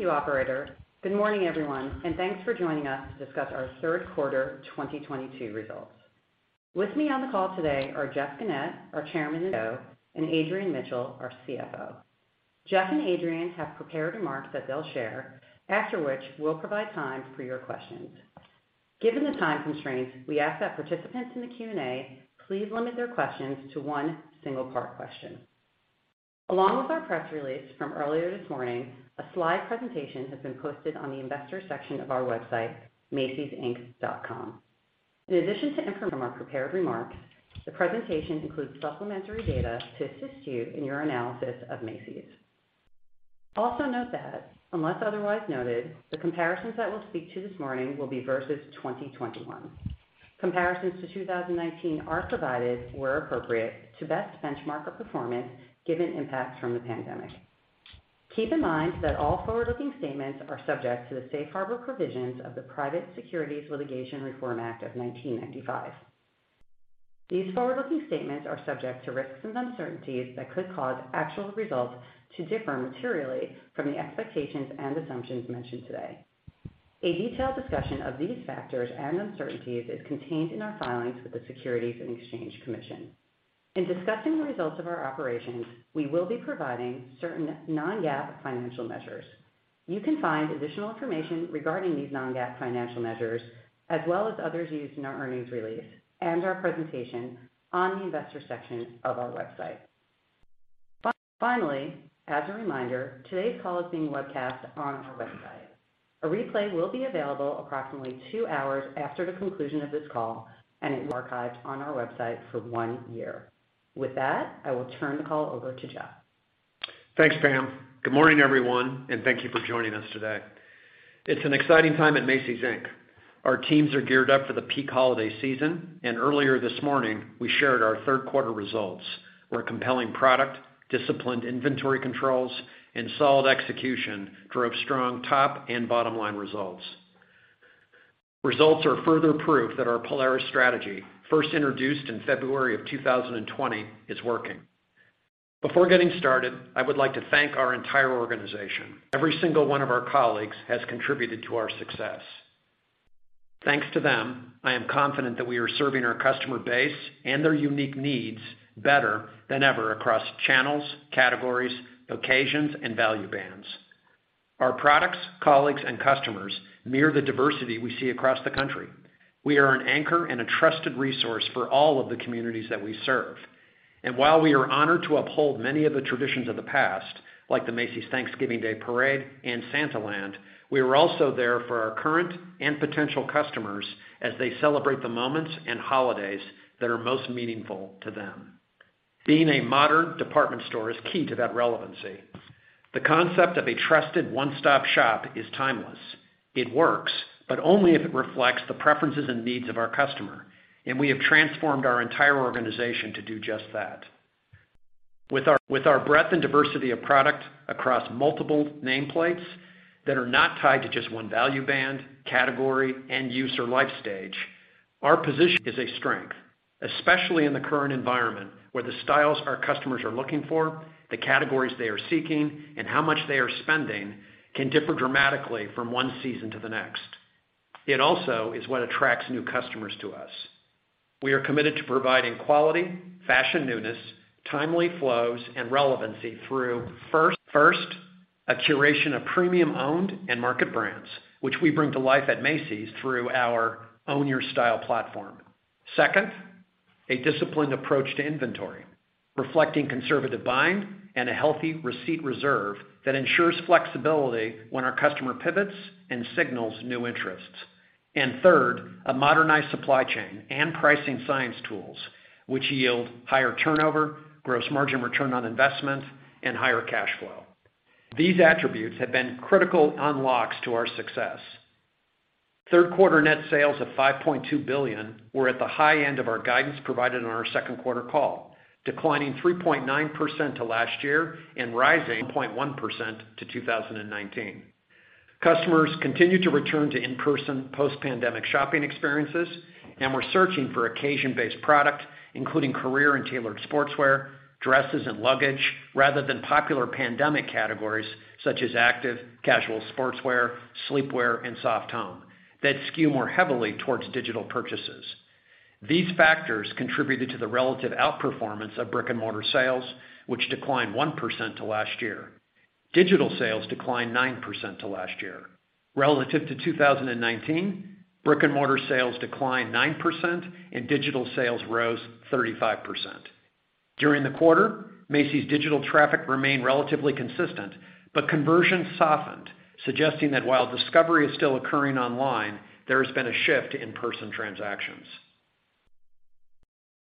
Thank you, operator. Good morning, everyone, and thanks for joining us to discuss our third quarter 2022 results. With me on the call today are Jeff Gennette, our Chairman and CEO, and Adrian Mitchell, our CFO. Jeff and Adrian have prepared remarks that they'll share, after which we'll provide time for your questions. Given the time constraints, we ask that participants in the Q&A please limit their questions to one single part question. Along with our press release from earlier this morning, a slide presentation has been posted on the investor section of our website, macysinc.com. In addition to information from our prepared remarks, the presentation includes supplementary data to assist you in your analysis of Macy's. Also note that unless otherwise noted, the comparisons that we'll speak to this morning will be versus 2021. Comparisons to 2019 are provided where appropriate to best benchmark our performance given impacts from the pandemic. Keep in mind that all forward-looking statements are subject to the Safe Harbor provisions of the Private Securities Litigation Reform Act of 1995. These forward-looking statements are subject to risks and uncertainties that could cause actual results to differ materially from the expectations and assumptions mentioned today. A detailed discussion of these factors and uncertainties is contained in our filings with the Securities and Exchange Commission. In discussing the results of our operations, we will be providing certain non-GAAP financial measures. You can find additional information regarding these non-GAAP financial measures, as well as others used in our earnings release and our presentation on the investor section of our website. Finally, as a reminder, today's call is being webcast on our website. A replay will be available approximately two hours after the conclusion of this call and it will be archived on our website for one year. With that, I will turn the call over to Jeff. Thanks, Pam. Good morning, everyone, and thank you for joining us today. It's an exciting time at Macy's, Inc Our teams are geared up for the peak holiday season, and earlier this morning, we shared our third quarter results, where compelling product, disciplined inventory controls, and solid execution drove strong top and bottom-line results. Results are further proof that our Polaris strategy, first introduced in February of 2020, is working. Before getting started, I would like to thank our entire organization. Every single one of our colleagues has contributed to our success. Thanks to them, I am confident that we are serving our customer base and their unique needs better than ever across channels, categories, occasions, and value bands. Our products, colleagues, and customers mirror the diversity we see across the country. We are an anchor and a trusted resource for all of the communities that we serve. While we are honored to uphold many of the traditions of the past, like the Macy's Thanksgiving Day Parade and Santaland, we are also there for our current and potential customers as they celebrate the moments and holidays that are most meaningful to them. Being a modern department store is key to that relevancy. The concept of a trusted one-stop shop is timeless. It works, but only if it reflects the preferences and needs of our customer, and we have transformed our entire organization to do just that. With our breadth and diversity of product across multiple nameplates that are not tied to just one value band, category, and user life stage, our position is a strength, especially in the current environment, where the styles our customers are looking for, the categories they are seeking, and how much they are spending can differ dramatically from one season to the next. It also is what attracts new customers to us. We are committed to providing quality, fashion newness, timely flows, and relevancy through first, a curation of premium owned and market brands, which we bring to life at Macy's through our Own Your Style platform. Second, a disciplined approach to inventory, reflecting conservative buying and a healthy receipt reserve that ensures flexibility when our customer pivots and signals new interests. Third, a modernized supply chain and pricing science tools, which yield higher turnover, Gross Margin Return on Investment, and higher cash flow. These attributes have been critical unlocks to our success. Third quarter net sales of $5.2 billion were at the high end of our guidance provided on our second quarter call, declining 3.9% to last year and rising 1.1% to 2019. Customers continued to return to in-person post-pandemic shopping experiences and were searching for occasion-based product, including career and tailored sportswear, dresses and luggage, rather than popular pandemic categories such as active, casual sportswear, sleepwear, and soft home that skew more heavily towards digital purchases. These factors contributed to the relative outperformance of brick-and-mortar sales, which declined 1% to last year. Digital sales declined 9% to last year. Relative to 2019, brick-and-mortar sales declined 9% and digital sales rose 35%. During the quarter, Macy's digital traffic remained relatively consistent, but conversions softened, suggesting that while discovery is still occurring online, there has been a shift to in-person transactions.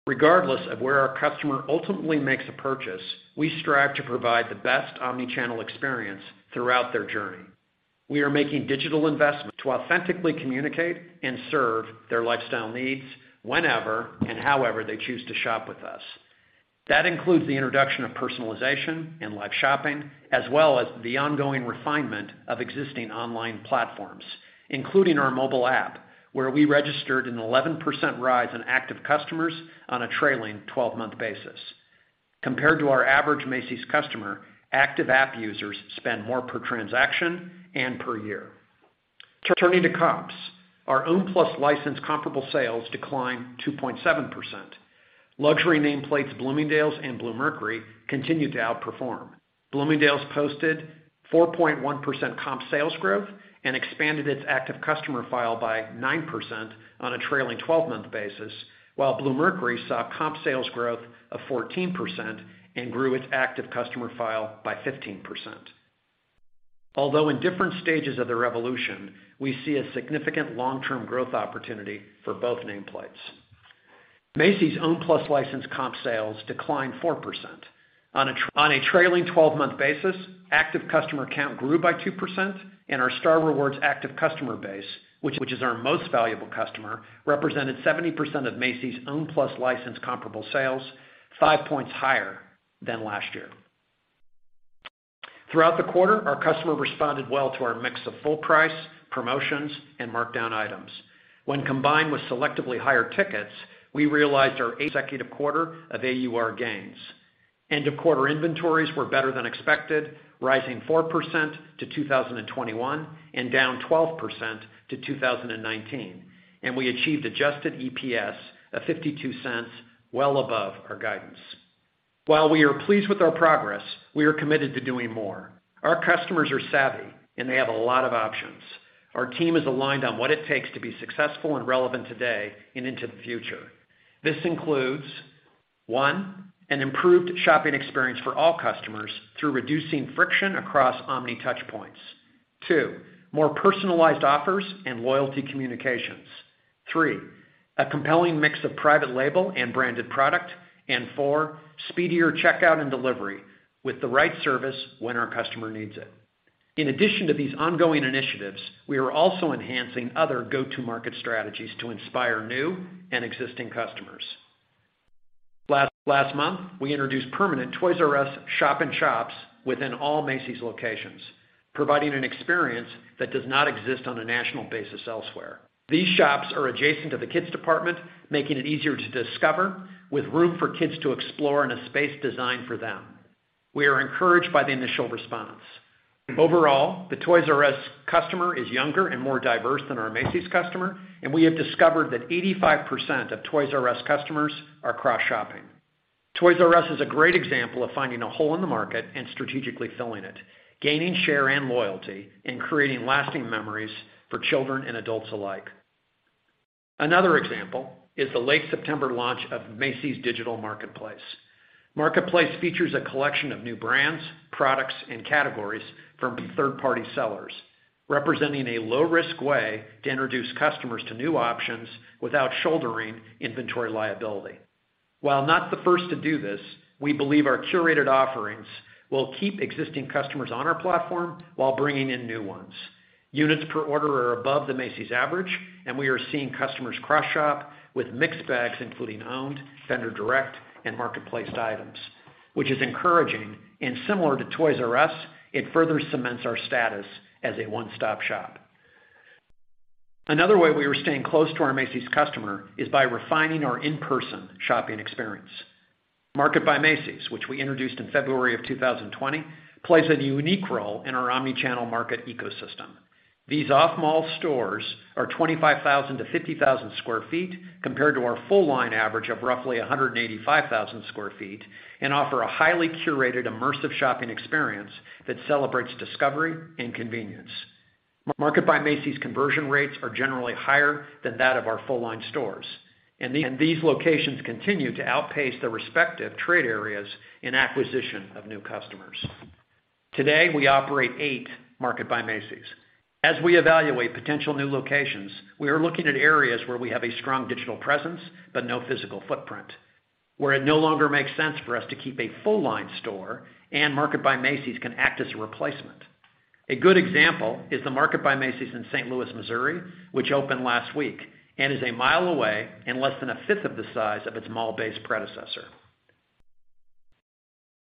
Regardless of where our customer ultimately makes a purchase, we strive to provide the best omni-channel experience throughout their journey. We are making digital investments to authentically communicate and serve their lifestyle needs whenever and however they choose to shop with us. That includes the introduction of personalization and live shopping, as well as the ongoing refinement of existing online platforms, including our mobile app, where we registered an 11% rise in active customers on a trailing 12-month basis. Compared to our average Macy's customer, active app users spend more per transaction and per year. Turning to comps, our own plus licensed comparable sales declined 2.7%. Luxury nameplates Bloomingdale's and Bluemercury continued to outperform. Bloomingdale's posted 4.1% comp sales growth and expanded its active customer file by 9% on a trailing 12-month basis, while Bluemercury saw comp sales growth of 14% and grew its active customer file by 15%. Although in different stages of the evolution, we see a significant long-term growth opportunity for both nameplates. Macy's own plus licensed comp sales declined 4%. On a trailing 12-month basis, active customer count grew by 2% and our Star Rewards active customer base, which is our most valuable customer, represented 70% of Macy's own plus licensed comparable sales, five points higher than last year. Throughout the quarter, our customer responded well to our mix of full price, promotions, and markdown items. When combined with selectively higher tickets, we realized our eighth consecutive quarter of AUR gains. End-of-quarter inventories were better than expected, rising 4% to 2021 and down 12% to 2019. We achieved adjusted EPS of $0.52, well above our guidance. While we are pleased with our progress, we are committed to doing more. Our customers are savvy, and they have a lot of options. Our team is aligned on what it takes to be successful and relevant today and into the future. This includes, one, an improved shopping experience for all customers through reducing friction across omni touchpoints. Two, more personalized offers and loyalty communications. Three, a compelling mix of private label and branded product. Four, speedier checkout and delivery with the right service when our customer needs it. In addition to these ongoing initiatives, we are also enhancing other go-to-market strategies to inspire new and existing customers. Last month, we introduced permanent Toys R Us shop-in-shops within all Macy's locations, providing an experience that does not exist on a national basis elsewhere. These shops are adjacent to the Kids department, making it easier to discover with room for kids to explore in a space designed for them. We are encouraged by the initial response. Overall, the Toys R Us customer is younger and more diverse than our Macy's customer, and we have discovered that 85% of Toys R Us customers are cross-shopping. Toys R Us is a great example of finding a hole in the market and strategically filling it, gaining share and loyalty and creating lasting memories for children and adults alike. Another example is the late September launch of Macy's Digital Marketplace. Marketplace features a collection of new brands, products and categories from third-party sellers, representing a low-risk way to introduce customers to new options without shouldering inventory liability. While not the first to do this, we believe our curated offerings will keep existing customers on our platform while bringing in new ones. Units per order are above the Macy's average, and we are seeing customers cross-shop with mixed bags including owned, vendor direct, and marketplace items, which is encouraging. Similar to Toys R Us, it further cements our status as a one-stop shop. Another way we are staying close to our Macy's customer is by refining our in-person shopping experience. Market by Macy's, which we introduced in February of 2020, plays a unique role in our omnichannel market ecosystem. These off-mall stores are 25,000 sq ft-50,000 sq ft, compared to our full line average of roughly 185,000 sq ft and offer a highly curated, immersive shopping experience that celebrates discovery and convenience. Market by Macy's conversion rates are generally higher than that of our full line stores, and these locations continue to outpace their respective trade areas in acquisition of new customers. Today, we operate eight Market by Macy's. As we evaluate potential new locations, we are looking at areas where we have a strong digital presence but no physical footprint, where it no longer makes sense for us to keep a full-line store and Market by Macy's can act as a replacement. A good example is the Market by Macy's in St. Louis, Missouri, which opened last week and is a mile away and less than a fifth of the size of its mall-based predecessor.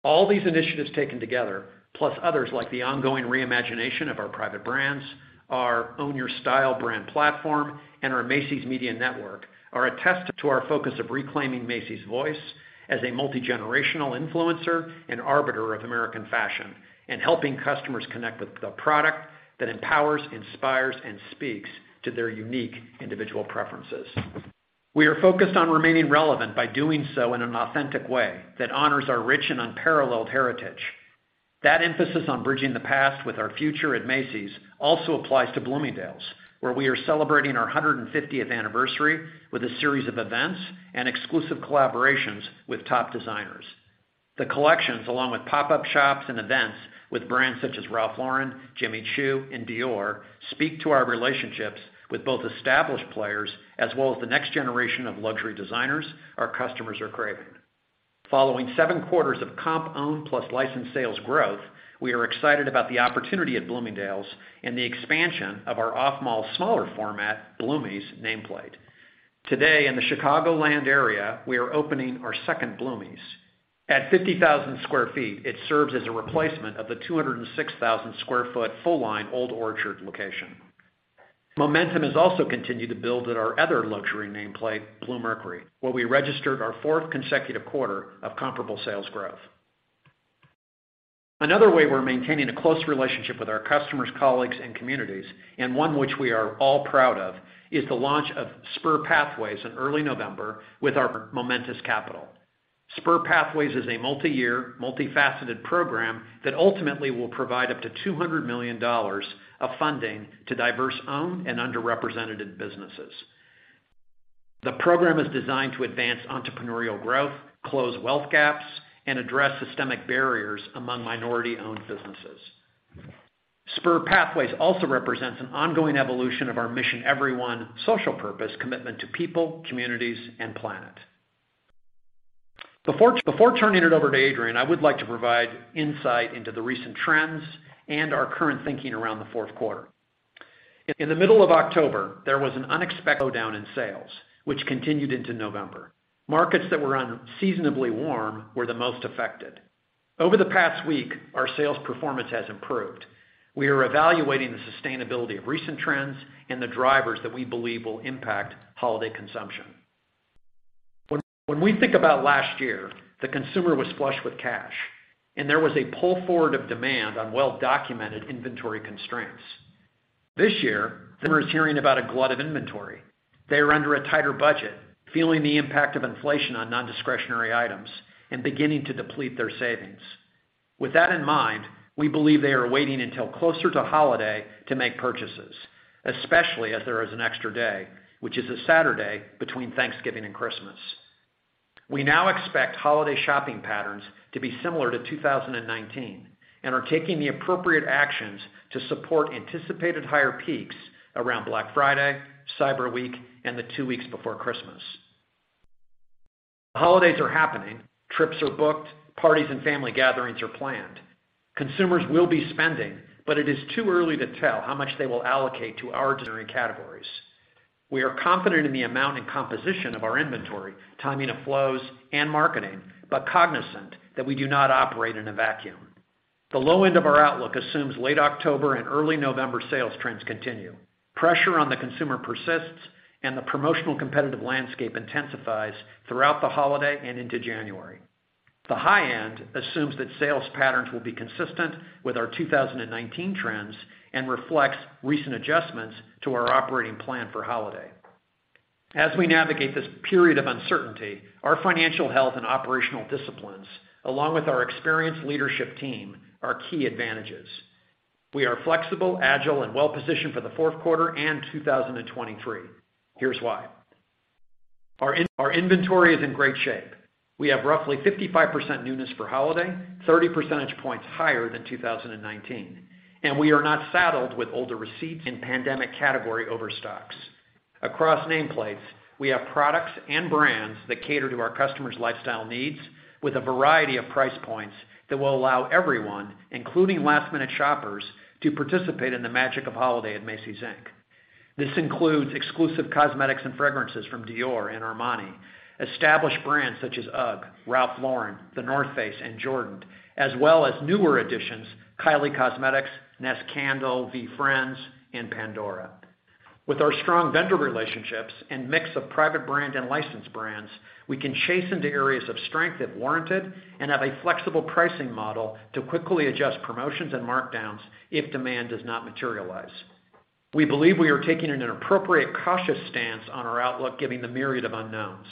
All these initiatives taken together, plus others like the ongoing reimagination of our private brands, our Own Your Style brand platform, and our Macy's Media Network, are a testament to our focus of reclaiming Macy's voice as a multigenerational influencer and arbiter of American fashion and helping customers connect with the product that empowers, inspires, and speaks to their unique individual preferences. We are focused on remaining relevant by doing so in an authentic way that honors our rich and unparalleled heritage. That emphasis on bridging the past with our future at Macy's also applies to Bloomingdale's, where we are celebrating our 150th anniversary with a series of events and exclusive collaborations with top designers. The collections, along with pop-up shops and events with brands such as Ralph Lauren, Jimmy Choo, and Dior, speak to our relationships with both established players as well as the next generation of luxury designers our customers are craving. Following seven quarters of comp own plus licensed sales growth, we are excited about the opportunity at Bloomingdale's and the expansion of our off-mall smaller format Bloomie's nameplate. Today in the Chicagoland area, we are opening our second Bloomie's. At 50,000 sq ft, it serves as a replacement of the 206,000 sq ft full line Old Orchard location. Momentum has also continued to build at our other luxury nameplate, Bluemercury, where we registered our fourth consecutive quarter of comparable sales growth. Another way we're maintaining a close relationship with our customers, colleagues, and communities, and one which we are all proud of, is the launch of S.P.U.R. Pathways in early November with our Momentus Capital. S.P.U.R. Pathways is a multi-year, multifaceted program that ultimately will provide up to $200 million of funding to diverse-owned and underrepresented businesses. The program is designed to advance entrepreneurial growth, close wealth gaps, and address systemic barriers among minority-owned businesses. S.P.U.R. Pathways also represents an ongoing evolution of our Mission Every One social purpose commitment to people, communities, and planet. Before turning it over to Adrian, I would like to provide insight into the recent trends and our current thinking around the fourth quarter. In the middle of October, there was an unexpected slowdown in sales, which continued into November. Markets that were unseasonably warm were the most affected. Over the past week, our sales performance has improved. We are evaluating the sustainability of recent trends and the drivers that we believe will impact holiday consumption. When we think about last year, the consumer was flush with cash, and there was a pull forward of demand on well-documented inventory constraints. This year, consumers are hearing about a glut of inventory. They are under a tighter budget, feeling the impact of inflation on non-discretionary items, and beginning to deplete their savings. With that in mind, we believe they are waiting until closer to holiday to make purchases, especially as there is an extra day, which is a Saturday between Thanksgiving and Christmas. We now expect holiday shopping patterns to be similar to 2019 and are taking the appropriate actions to support anticipated higher peaks around Black Friday, Cyber Week, and the two weeks before Christmas. The holidays are happening, trips are booked, parties and family gatherings are planned. Consumers will be spending, but it is too early to tell how much they will allocate to our discretionary categories. We are confident in the amount and composition of our inventory, timing of flows, and marketing, but cognizant that we do not operate in a vacuum. The low end of our outlook assumes late October and early November sales trends continue. Pressure on the consumer persists and the promotional competitive landscape intensifies throughout the holiday and into January. The high end assumes that sales patterns will be consistent with our 2019 trends and reflects recent adjustments to our operating plan for holiday. As we navigate this period of uncertainty, our financial health and operational disciplines, along with our experienced leadership team, are key advantages. We are flexible, agile, and well-positioned for the fourth quarter and 2023. Here's why. Our inventory is in great shape. We have roughly 55% newness for holiday, 30 percentage points higher than 2019, and we are not saddled with older receipts and pandemic category overstocks. Across nameplates, we have products and brands that cater to our customers' lifestyle needs with a variety of price points that will allow everyone, including last-minute shoppers, to participate in the magic of holiday at Macy's, Inc This includes exclusive cosmetics and fragrances from Dior and Armani, established brands such as UGG, Ralph Lauren, The North Face, and Jordan, as well as newer additions Kylie Cosmetics, NEST Candle, VeeFriends, and Pandora. With our strong vendor relationships and mix of private brand and licensed brands, we can chase into areas of strength if warranted and have a flexible pricing model to quickly adjust promotions and markdowns if demand does not materialize. We believe we are taking an appropriate cautious stance on our outlook, given the myriad of unknowns.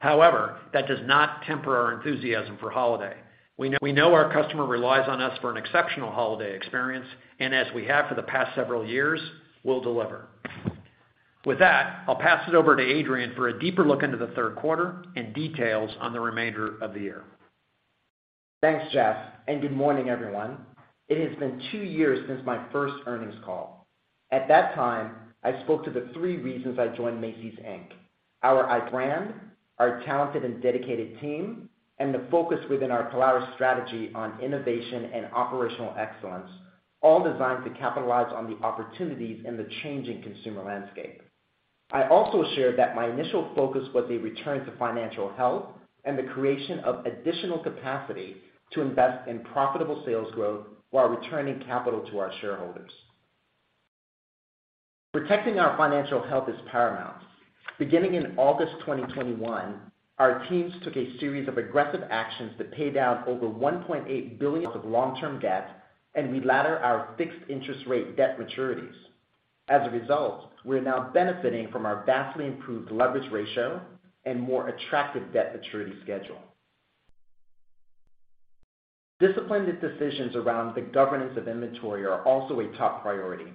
However, that does not temper our enthusiasm for holiday. We know our customer relies on us for an exceptional holiday experience, and as we have for the past several years, we'll deliver. With that, I'll pass it over to Adrian for a deeper look into the third quarter and details on the remainder of the year. Thanks, Jeff, and good morning, everyone. It has been two years since my first earnings call. At that time, I spoke to the three reasons I joined Macy's, Inc, our brand, our talented and dedicated team, and the focus within our Polaris strategy on innovation and operational excellence, all designed to capitalize on the opportunities in the changing consumer landscape. I also shared that my initial focus would be return to financial health and the creation of additional capacity to invest in profitable sales growth while returning capital to our shareholders. Protecting our financial health is paramount. Beginning in August 2021, our teams took a series of aggressive actions to pay down over $1.8 billion of long-term debt, and we ladder our fixed interest rate debt maturities. As a result, we're now benefiting from our vastly improved leverage ratio and more attractive debt maturity schedule. Disciplined decisions around the governance of inventory are also a top priority.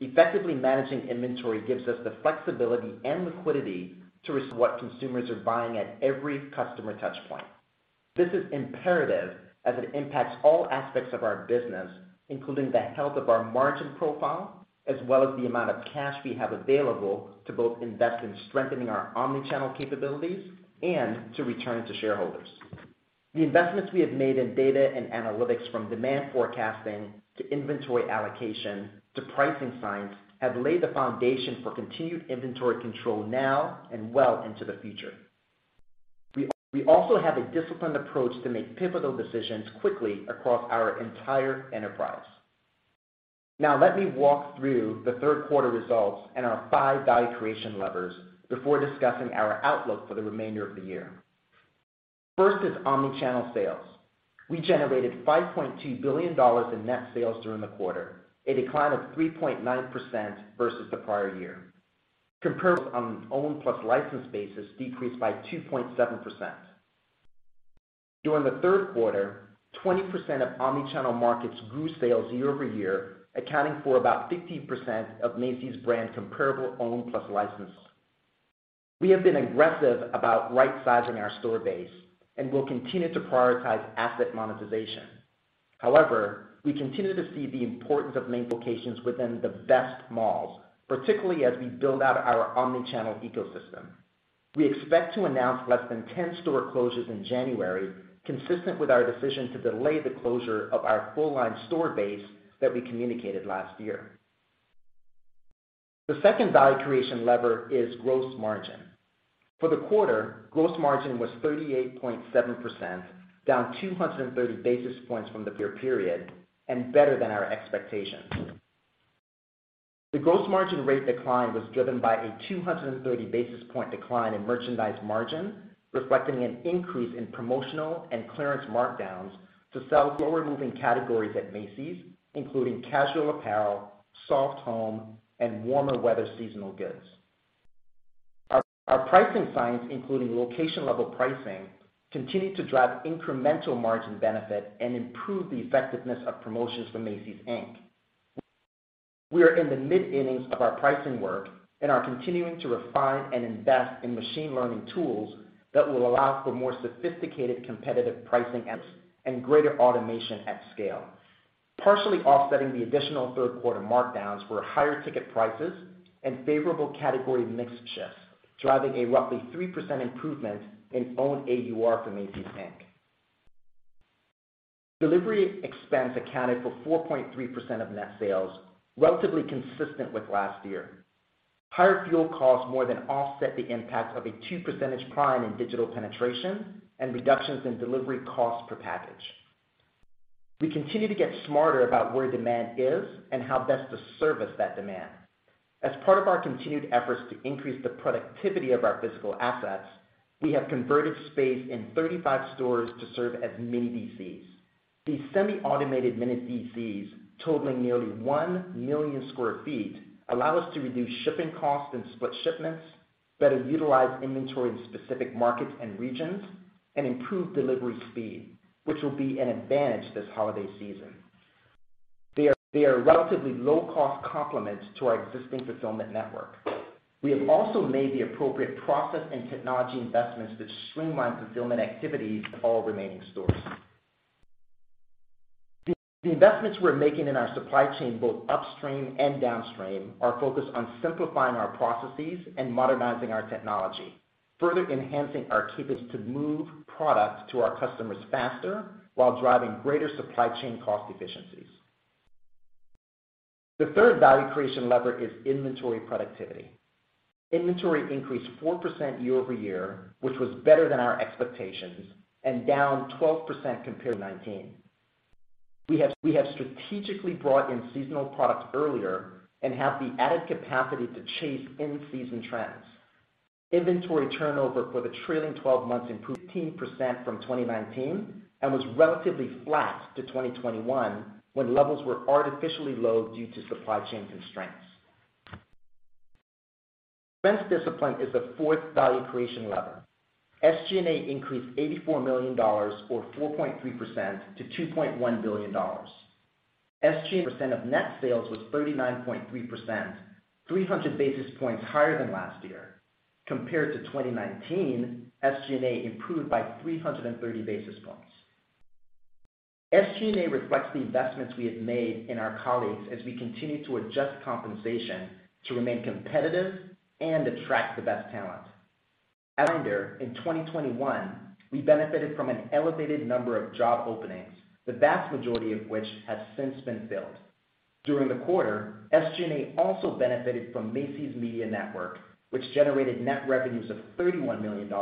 Effectively managing inventory gives us the flexibility and liquidity to respond to what consumers are buying at every customer touch point. This is imperative as it impacts all aspects of our business, including the health of our margin profile, as well as the amount of cash we have available to both invest in strengthening our omnichannel capabilities and to return to shareholders. The investments we have made in data and analytics from demand forecasting to inventory allocation to pricing science have laid the foundation for continued inventory control now and well into the future. We also have a disciplined approach to make pivotal decisions quickly across our entire enterprise. Now, let me walk through the third quarter results and our five value creation levers before discussing our outlook for the remainder of the year. First is omnichannel sales. We generated $5.2 billion in net sales during the quarter, a decline of 3.9% versus the prior year. Comparables on an owned plus licensed basis decreased by 2.7%. During the third quarter, 20% of omni-channel markets grew sales year-over-year, accounting for about 15% of Macy's brand comparable owned plus licensed. We have been aggressive about right-sizing our store base and will continue to prioritize asset monetization. However, we continue to see the importance of main locations within the best malls, particularly as we build out our omni-channel ecosystem. We expect to announce less than 10 store closures in January, consistent with our decision to delay the closure of our full-line store base that we communicated last year. The second value creation lever is gross margin. For the quarter, gross margin was 38.7%, down 230 basis points from the prior period and better than our expectations. The gross margin rate decline was driven by a 230 basis point decline in merchandise margin, reflecting an increase in promotional and clearance markdowns to sell slower moving categories at Macy's, including casual apparel, soft home, and warmer weather seasonal goods. Our pricing science, including location-level pricing, continued to drive incremental margin benefit and improve the effectiveness of promotions for Macy's, Inc We are in the mid-innings of our pricing work and are continuing to refine and invest in machine learning tools that will allow for more sophisticated competitive pricing analysis and greater automation at scale. Partially offsetting the additional third quarter markdowns were higher ticket prices and favorable category mix shifts, driving a roughly three percent improvement in owned AUR from Macy's Inc Delivery expense accounted for four point three percent of net sales, relatively consistent with last year. Higher fuel costs more than offset the impact of a two percentage prime in digital penetration and reductions in delivery costs per package. We continue to get smarter about where demand is and how best to service that demand. As part of our continued efforts to increase the productivity of our physical assets, we have converted space in thirty-five stores to serve as mini DCs. These semi-automated mini DCs, totaling nearly one million square feet, allow us to reduce shipping costs and split shipments, better utilize inventory in specific markets and regions, and improve delivery speed, which will be an advantage this holiday season. They are a relatively low-cost complement to our existing fulfillment network. We have also made the appropriate process and technology investments that streamline fulfillment activities at all remaining stores. The investments we're making in our supply chain, both upstream and downstream, are focused on simplifying our processes and modernizing our technology, further enhancing our capabilities to move product to our customers faster while driving greater supply chain cost efficiencies. The third value creation lever is inventory productivity. Inventory increased 4% year-over-year, which was better than our expectations and down 12% compared to 2019. We have strategically brought in seasonal products earlier and have the added capacity to chase in-season trends. Inventory turnover for the trailing 12 months improved 15% from 2019 and was relatively flat to 2021, when levels were artificially low due to supply chain constraints. Expense discipline is the fourth value creation lever. SG&A increased $84 million or 4.3% to $2.1 billion. SG&A as a percent of net sales was 39.3%, 300 basis points higher than last year. Compared to 2019, SG&A improved by 330 basis points. SG&A reflects the investments we have made in our colleagues as we continue to adjust compensation to remain competitive and attract the best talent. As a reminder, in 2021, we benefited from an elevated number of job openings, the vast majority of which has since been filled. During the quarter, SG&A also benefited from Macy's Media Network, which generated net revenues of $31 million,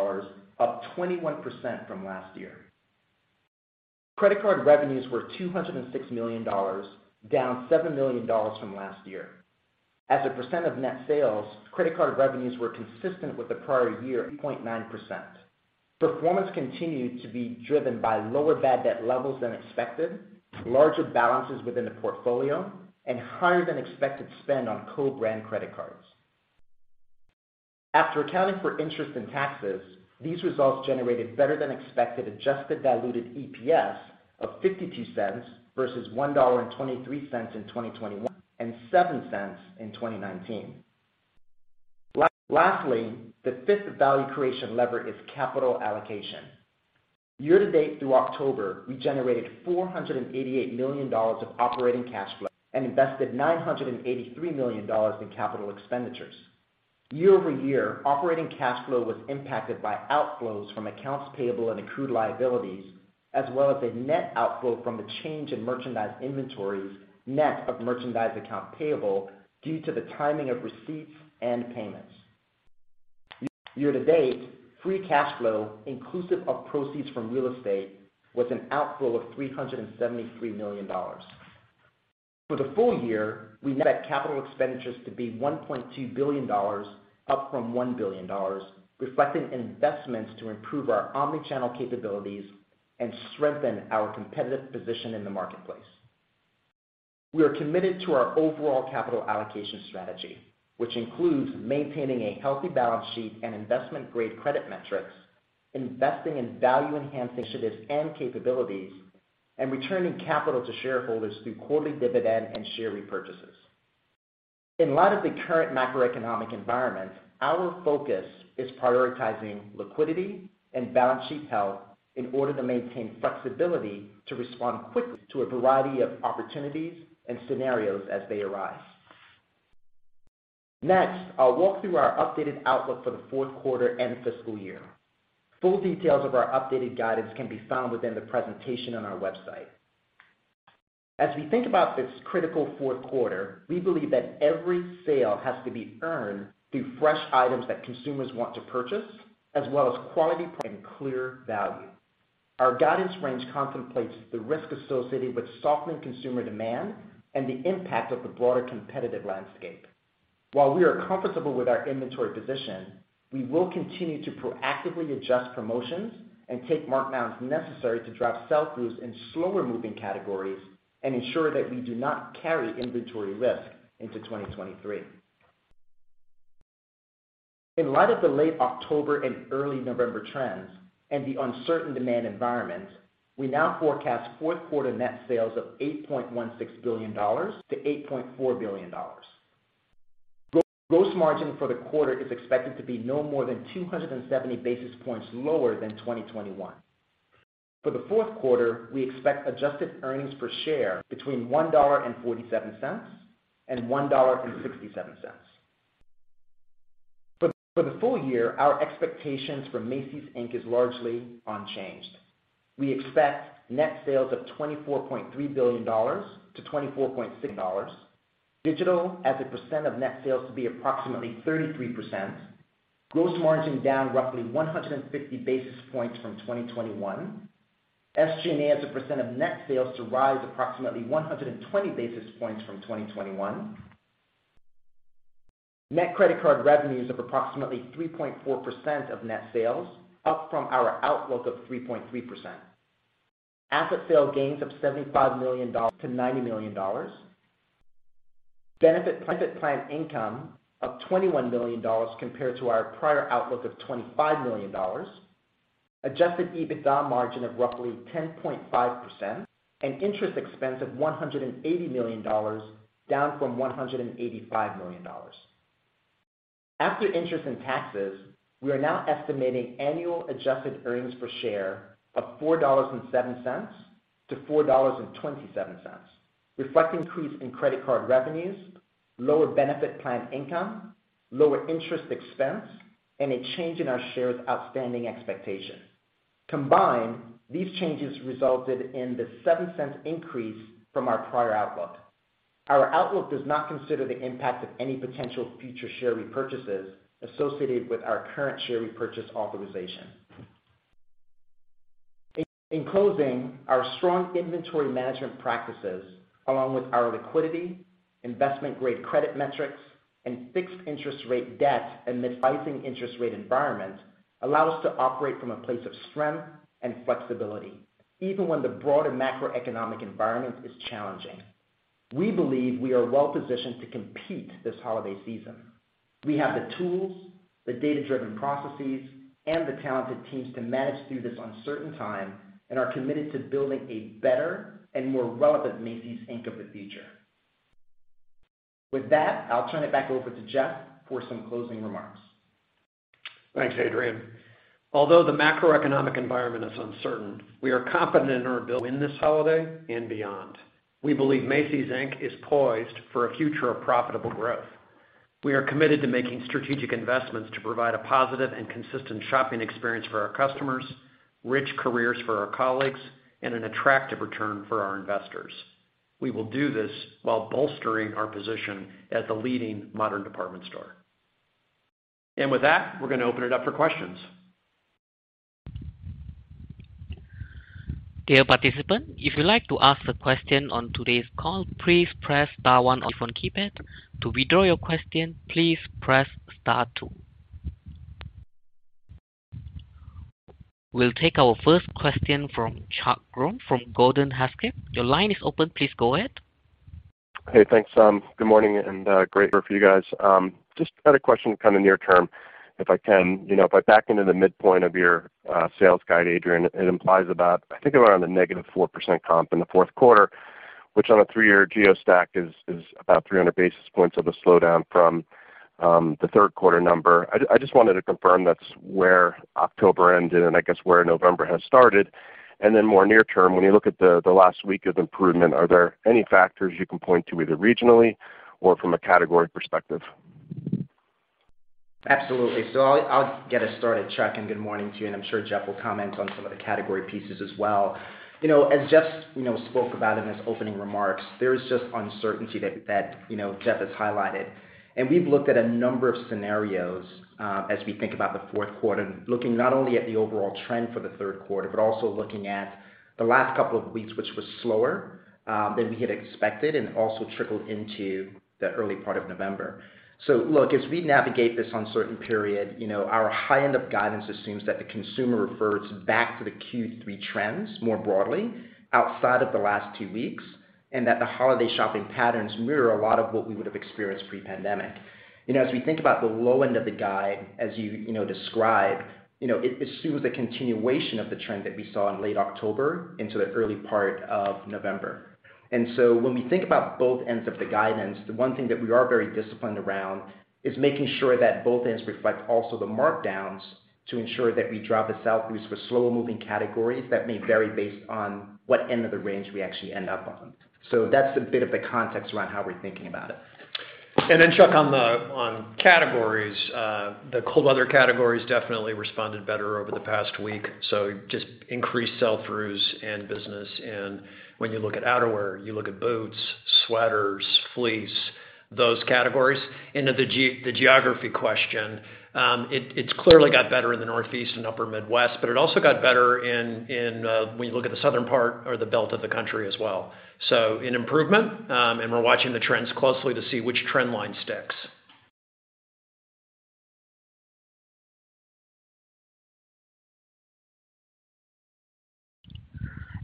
up 21% from last year. Credit card revenues were $206 million, down $7 million from last year. As a percent of net sales, credit card revenues were consistent with the prior year at 0.9%. Performance continued to be driven by lower bad debt levels than expected, larger balances within the portfolio, and higher than expected spend on co-brand credit cards. After accounting for interest and taxes, these results generated better than expected adjusted diluted EPS of $0.52 versus $1.23 in 2021 and $0.07 in 2019. Lastly, the fifth value creation lever is capital allocation. Year-to-date through October, we generated $488 million of operating cash flow and invested $983 million in capital expenditures. Year-over-year, operating cash flow was impacted by outflows from accounts payable and accrued liabilities, as well as a net outflow from the change in merchandise inventories, net of merchandise account payable due to the timing of receipts and payments. Year-to-date, free cash flow, inclusive of proceeds from real estate, was an outflow of $373 million. For the full year, we now expect capital expenditures to be $1.2 billion, up from $1 billion, reflecting investments to improve our omni-channel capabilities and strengthen our competitive position in the marketplace. We are committed to our overall capital allocation strategy, which includes maintaining a healthy balance sheet and investment-grade credit metrics, investing in value-enhancing initiatives and capabilities, and returning capital to shareholders through quarterly dividend and share repurchases. In light of the current macroeconomic environment, our focus is prioritizing liquidity and balance sheet health in order to maintain flexibility to respond quickly to a variety of opportunities and scenarios as they arise. Next, I'll walk through our updated outlook for the fourth quarter and fiscal year. Full details of our updated guidance can be found within the presentation on our website. As we think about this critical fourth quarter, we believe that every sale has to be earned through fresh items that consumers want to purchase, as well as quality pricing and clear value. Our guidance range contemplates the risk associated with softening consumer demand and the impact of the broader competitive landscape. While we are comfortable with our inventory position, we will continue to proactively adjust promotions and take markdowns necessary to drive sell-throughs in slower-moving categories and ensure that we do not carry inventory risk into 2023. In light of the late October and early November trends and the uncertain demand environment, we now forecast fourth quarter net sales of $8.16 billion-$8.4 billion. Gross margin for the quarter is expected to be no more than 270 basis points lower than 2021. For the fourth quarter, we expect adjusted earnings per share between $1.47 and $1.67. For the full year, our expectations for Macy's, Inc is largely unchanged. We expect net sales of $24.3 billion-$24.6 billion. Digital as a percent of net sales to be approximately 33%. Gross margin down roughly 150 basis points from 2021. SG&A as a percent of net sales to rise approximately 120 basis points from 2021. Net credit card revenues of approximately 3.4% of net sales, up from our outlook of 3.3%. Asset sale gains of $75 million-$90 million. Benefit plan income of $21 million compared to our prior outlook of $25 million. Adjusted EBITDA margin of roughly 10.5% and interest expense of $180 million, down from $185 million After interest and taxes, we are now estimating annual adjusted earnings per share of $4.07-$4.27, reflecting increase in credit card revenues, lower benefit plan income, lower interest expense, and a change in our shares outstanding expectation. Combined, these changes resulted in the $0.07 increase from our prior outlook. Our outlook does not consider the impact of any potential future share repurchases associated with our current share repurchase authorization. In closing, our strong inventory management practices, along with our liquidity, investment-grade credit metrics, and fixed interest rate debt amid rising interest rate environment, allow us to operate from a place of strength and flexibility, even when the broader macroeconomic environment is challenging. We believe we are well-positioned to compete this holiday season. We have the tools, the data-driven processes, and the talented teams to manage through this uncertain time and are committed to building a better and more relevant Macy's, Inc of the future. With that, I'll turn it back over to Jeff for some closing remarks. Thanks, Adrian. Although the macroeconomic environment is uncertain, we are confident in our ability to win this holiday and beyond. We believe Macy's, Inc is poised for a future of profitable growth. We are committed to making strategic investments to provide a positive and consistent shopping experience for our customers, rich careers for our colleagues, and an attractive return for our investors. We will do this while bolstering our position as the leading modern department store. With that, we're going to open it up for questions. Dear participant, if you'd like to ask a question on today's call, please press star one on your phone keypad. To withdraw your question, please press star two. We'll take our first question from Chuck Grom from Gordon Haskett. Your line is open. Please go ahead. Hey, thanks. Good morning and great quarter for you guys. Just had a question kind of near term, if I can. You know, if I back into the midpoint of your sales guide, Adrian, it implies about, I think, around a -4% comp in the fourth quarter, which on a 3-year geo stack is about 300 basis points of a slowdown from the third quarter number. I just wanted to confirm that's where October ended and I guess where November has started. More near term, when you look at the last week of improvement, are there any factors you can point to either regionally or from a category perspective? Absolutely. I'll get us started, Chuck, and good morning to you, and I'm sure Jeff will comment on some of the category pieces as well. You know, as Jeff, you know, spoke about in his opening remarks, there's just uncertainty that, you know, Jeff has highlighted. We've looked at a number of scenarios as we think about the fourth quarter, looking not only at the overall trend for the third quarter, but also looking at the last couple of weeks, which was slower than we had expected and also trickled into the early part of November. Look, as we navigate this uncertain period, you know, our high end of guidance assumes that the consumer reverts back to the Q3 trends more broadly outside of the last two weeks, and that the holiday shopping patterns mirror a lot of what we would have experienced pre-pandemic. You know, as we think about the low end of the guide, as you know, described, you know, it assumes a continuation of the trend that we saw in late October into the early part of November. When we think about both ends of the guidance, the one thing that we are very disciplined around is making sure that both ends reflect also the markdowns to ensure that we drive the sell-throughs for slower-moving categories that may vary based on what end of the range we actually end up on. That's a bit of the context around how we're thinking about it. Chuck, on categories, the cold weather categories definitely responded better over the past week, so just increased sell-throughs and business. When you look at outerwear, you look at boots, sweaters, fleece, those categories. To the geography question, it's clearly got better in the Northeast and upper Midwest, but it also got better in when you look at the southern part or the belt of the country as well. An improvement. We're watching the trends closely to see which trend line sticks.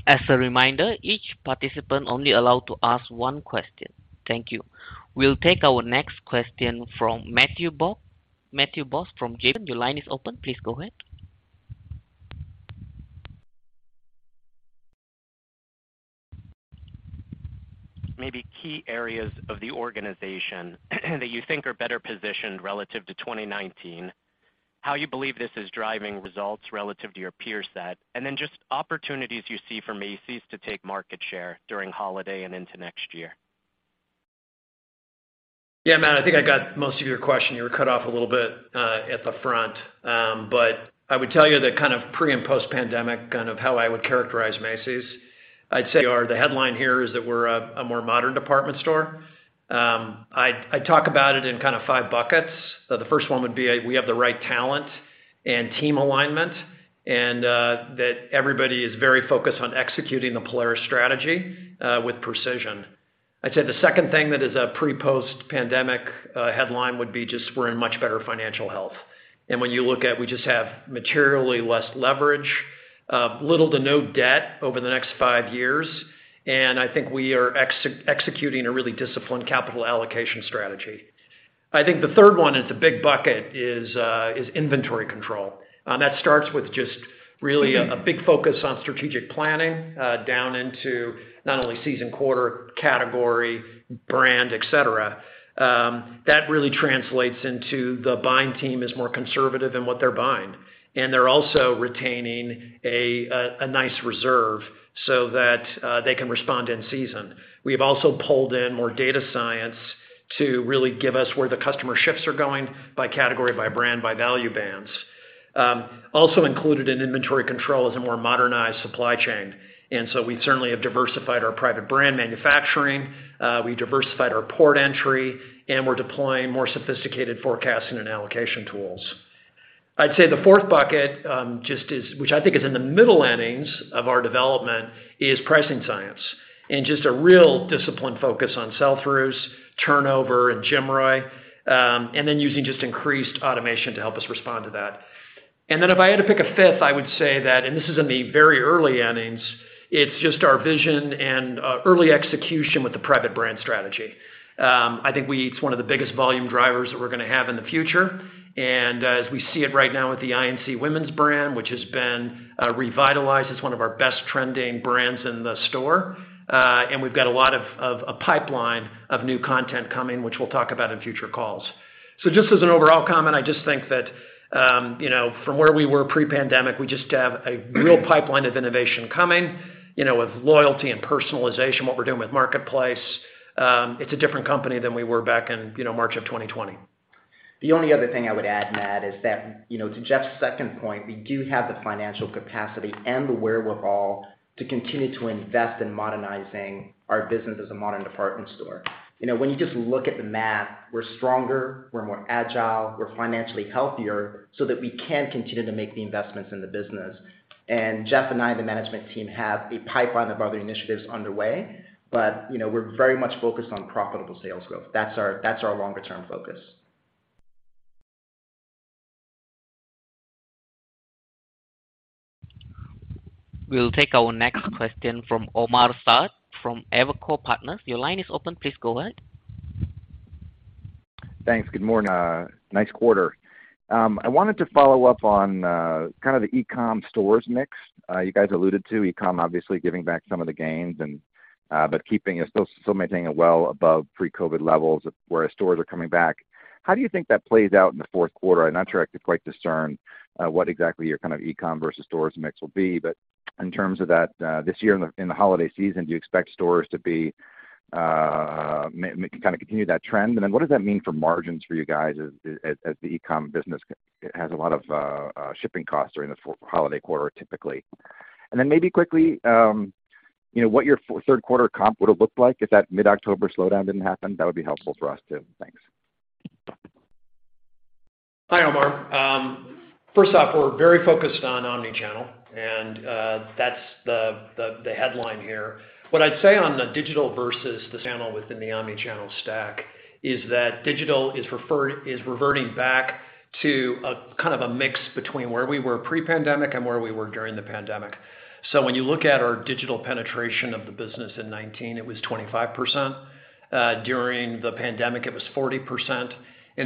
As a reminder, each participant only allowed to ask one question. Thank you. We'll take our next question from Matthew Boss from JPMorgan. Your line is open. Please go ahead. Maybe key areas of the organization that you think are better positioned relative to 2019, how you believe this is driving results relative to your peer set, and then just opportunities you see for Macy's to take market share during holiday and into next year. Yeah, Matt, I think I got most of your question. You were cut off a little bit at the front. I would tell you that kind of pre- and post-pandemic, kind of how I would characterize Macy's, I'd say the headline here is that we're a more modern department store. I'd talk about it in kind of five buckets. The first one would be we have the right talent and team alignment and that everybody is very focused on executing the Polaris strategy with precision. I'd say the second thing that is a pre-post-pandemic headline would be just we're in much better financial health. When you look at, we just have materially less leverage, little to no debt over the next five years. I think we are executing a really disciplined capital allocation strategy. I think the third one is a big bucket, is inventory control. That starts with just really a big focus on strategic planning down into not only season, quarter, category, brand, et cetera. That really translates into the buying team is more conservative in what they're buying, and they're also retaining a nice reserve so that they can respond in season. We've also pulled in more data science to really give us where the customer shifts are going by category, by brand, by value bands. Also included in inventory control is a more modernized supply chain. We certainly have diversified our private brand manufacturing. We diversified our port entry, and we're deploying more sophisticated forecasting and allocation tools. I'd say the fourth bucket, which I think is in the middle innings of our development, is pricing science and just a real disciplined focus on sell-throughs, turnover and GMROI, and then using just increased automation to help us respond to that. If I had to pick a fifth, I would say that, and this is in the very early innings, it's just our vision and early execution with the private brand strategy. I think it's one of the biggest volume drivers that we're gonna have in the future. As we see it right now with the INC women's brand, which has been revitalized, it's one of our best trending brands in the store. We've got a lot of a pipeline of new content coming, which we'll talk about in future calls. Just as an overall comment, I just think that, you know, from where we were pre-pandemic, we just have a real pipeline of innovation coming, you know, with loyalty and personalization, what we're doing with Marketplace, it's a different company than we were back in, you know, March of 2020. The only other thing I would add, Matt, is that, you know, to Jeff's second point, we do have the financial capacity and the wherewithal to continue to invest in modernizing our business as a modern department store. You know, when you just look at the math, we're stronger, we're more agile, we're financially healthier so that we can continue to make the investments in the business. Jeff and I, the management team, have a pipeline of other initiatives underway. You know, we're very much focused on profitable sales growth. That's our longer-term focus. We'll take our next question from Omar Saad from Evercore Partners. Your line is open. Please go ahead. Thanks. Good morning. Nice quarter. I wanted to follow up on kind of the e-com stores mix. You guys alluded to e-com obviously giving back some of the gains and still maintaining it well above pre-COVID levels, whereas stores are coming back. How do you think that plays out in the fourth quarter? I'm not sure I could quite discern what exactly your kind of e-com versus stores mix will be. In terms of that, this year in the holiday season, do you expect stores to kind of continue that trend? What does that mean for margins for you guys as the e-com business has a lot of shipping costs during the holiday quarter, typically? Maybe quickly, you know, what your third quarter comp would have looked like if that mid-October slowdown didn't happen? That would be helpful for us, too. Thanks. Hi, Omar. First off, we're very focused on omni-channel, and that's the headline here. What I'd say on the digital versus the channel within the omni-channel stack is that digital is reverting back to a kind of a mix between where we were pre-pandemic and where we were during the pandemic. When you look at our digital penetration of the business in 2019, it was 25%. During the pandemic, it was 40%.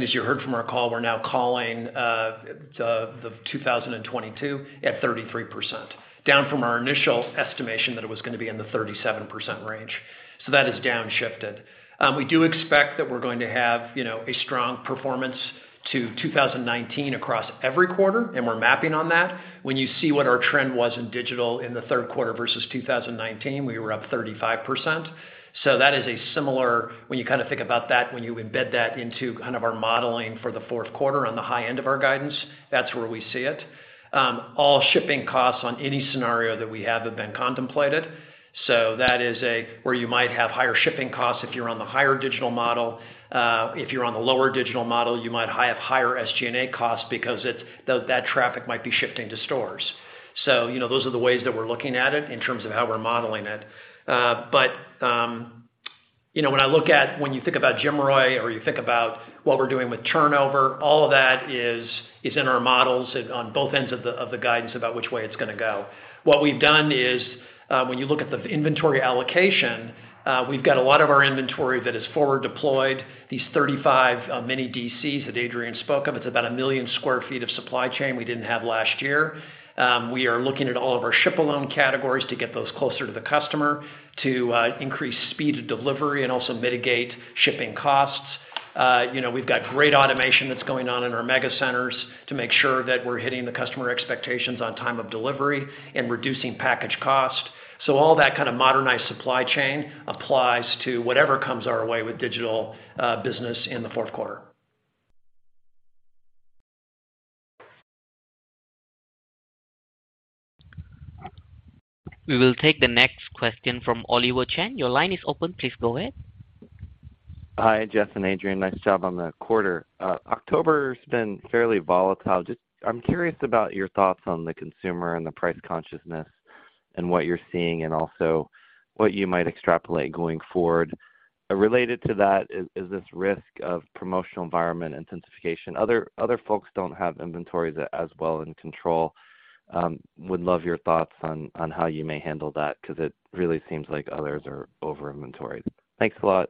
As you heard from our call, we're now calling the 2022 at 33%, down from our initial estimation that it was gonna be in the 37% range. That is downshifted. We do expect that we're going to have, you know, a strong performance to 2019 across every quarter, and we're mapping on that. When you see what our trend was in digital in the third quarter versus 2019, we were up 35%. When you kinda think about that, when you embed that into kind of our modeling for the fourth quarter on the high end of our guidance, that's where we see it. All shipping costs on any scenario that we have have been contemplated. Where you might have higher shipping costs if you're on the higher digital model. If you're on the lower digital model, you might have higher SG&A costs because that traffic might be shifting to stores. You know, those are the ways that we're looking at it in terms of how we're modeling it. You know, when you think about GMROI or you think about what we're doing with turnover, all of that is in our models on both ends of the guidance about which way it's gonna go. What we've done is, when you look at the inventory allocation, we've got a lot of our inventory that is forward deployed, these 35 mini D.C.s that Adrian spoke of. It's about 1 million sq ft of supply chain we didn't have last year. We are looking at all of our ship alone categories to get those closer to the customer to increase speed of delivery and also mitigate shipping costs. You know, we've got great automation that's going on in our mega centers to make sure that we're hitting the customer expectations on time of delivery and reducing package cost. All that kind of modernized supply chain applies to whatever comes our way with digital business in the fourth quarter. We will take the next question from Oliver Chen. Your line is open. Please go ahead. Hi, Jeff and Adrian. Nice job on the quarter. October's been fairly volatile. I'm curious about your thoughts on the consumer and the price consciousness and what you're seeing and also what you might extrapolate going forward. Related to that is this risk of promotional environment intensification. Other folks don't have inventories as well in control. Would love your thoughts on how you may handle that, because it really seems like others are over inventoried. Thanks a lot.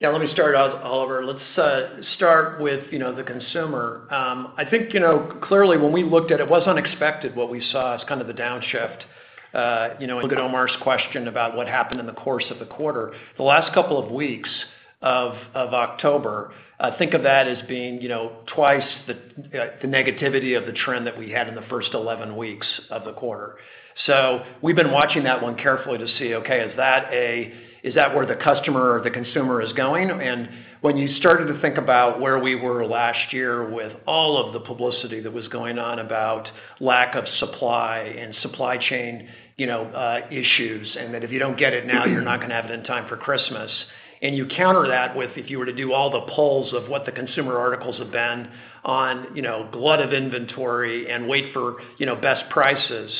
Yeah, let me start, Oliver. Let's start with, you know, the consumer. I think, you know, clearly when we looked at it was unexpected what we saw as kind of the downshift, you know, to Omar's question about what happened in the course of the quarter. The last couple of weeks of October, think of that as being, you know, twice the negativity of the trend that we had in the first 11 weeks of the quarter. We've been watching that one carefully to see, okay, is that where the customer or the consumer is going? When you started to think about where we were last year with all of the publicity that was going on about lack of supply and supply chain, you know, issues, and that if you don't get it now, you're not gonna have it in time for Christmas. You counter that with, if you were to do all the polls of what the consumer articles have been on, you know, glut of inventory and wait for, you know, best prices,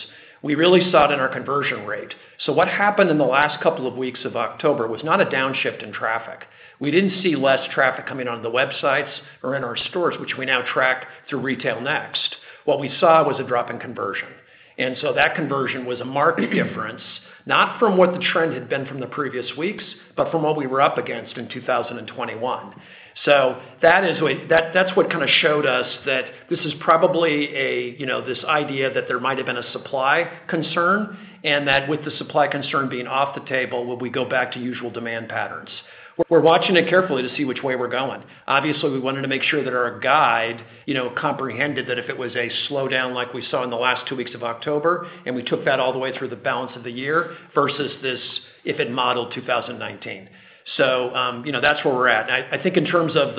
we really saw it in our conversion rate. What happened in the last couple of weeks of October was not a downshift in traffic. We didn't see less traffic coming on the websites or in our stores, which we now track through RetailNext. What we saw was a drop in conversion. That conversion was a marked difference, not from what the trend had been from the previous weeks, but from what we were up against in 2021. That's what kinda showed us that, you know, this idea that there might have been a supply concern, and that with the supply concern being off the table, will we go back to usual demand patterns. We're watching it carefully to see which way we're going. Obviously, we wanted to make sure that our guide, you know, comprehended that if it was a slowdown like we saw in the last two weeks of October, and we took that all the way through the balance of the year versus this if it modeled 2019. You know, that's where we're at. I think in terms of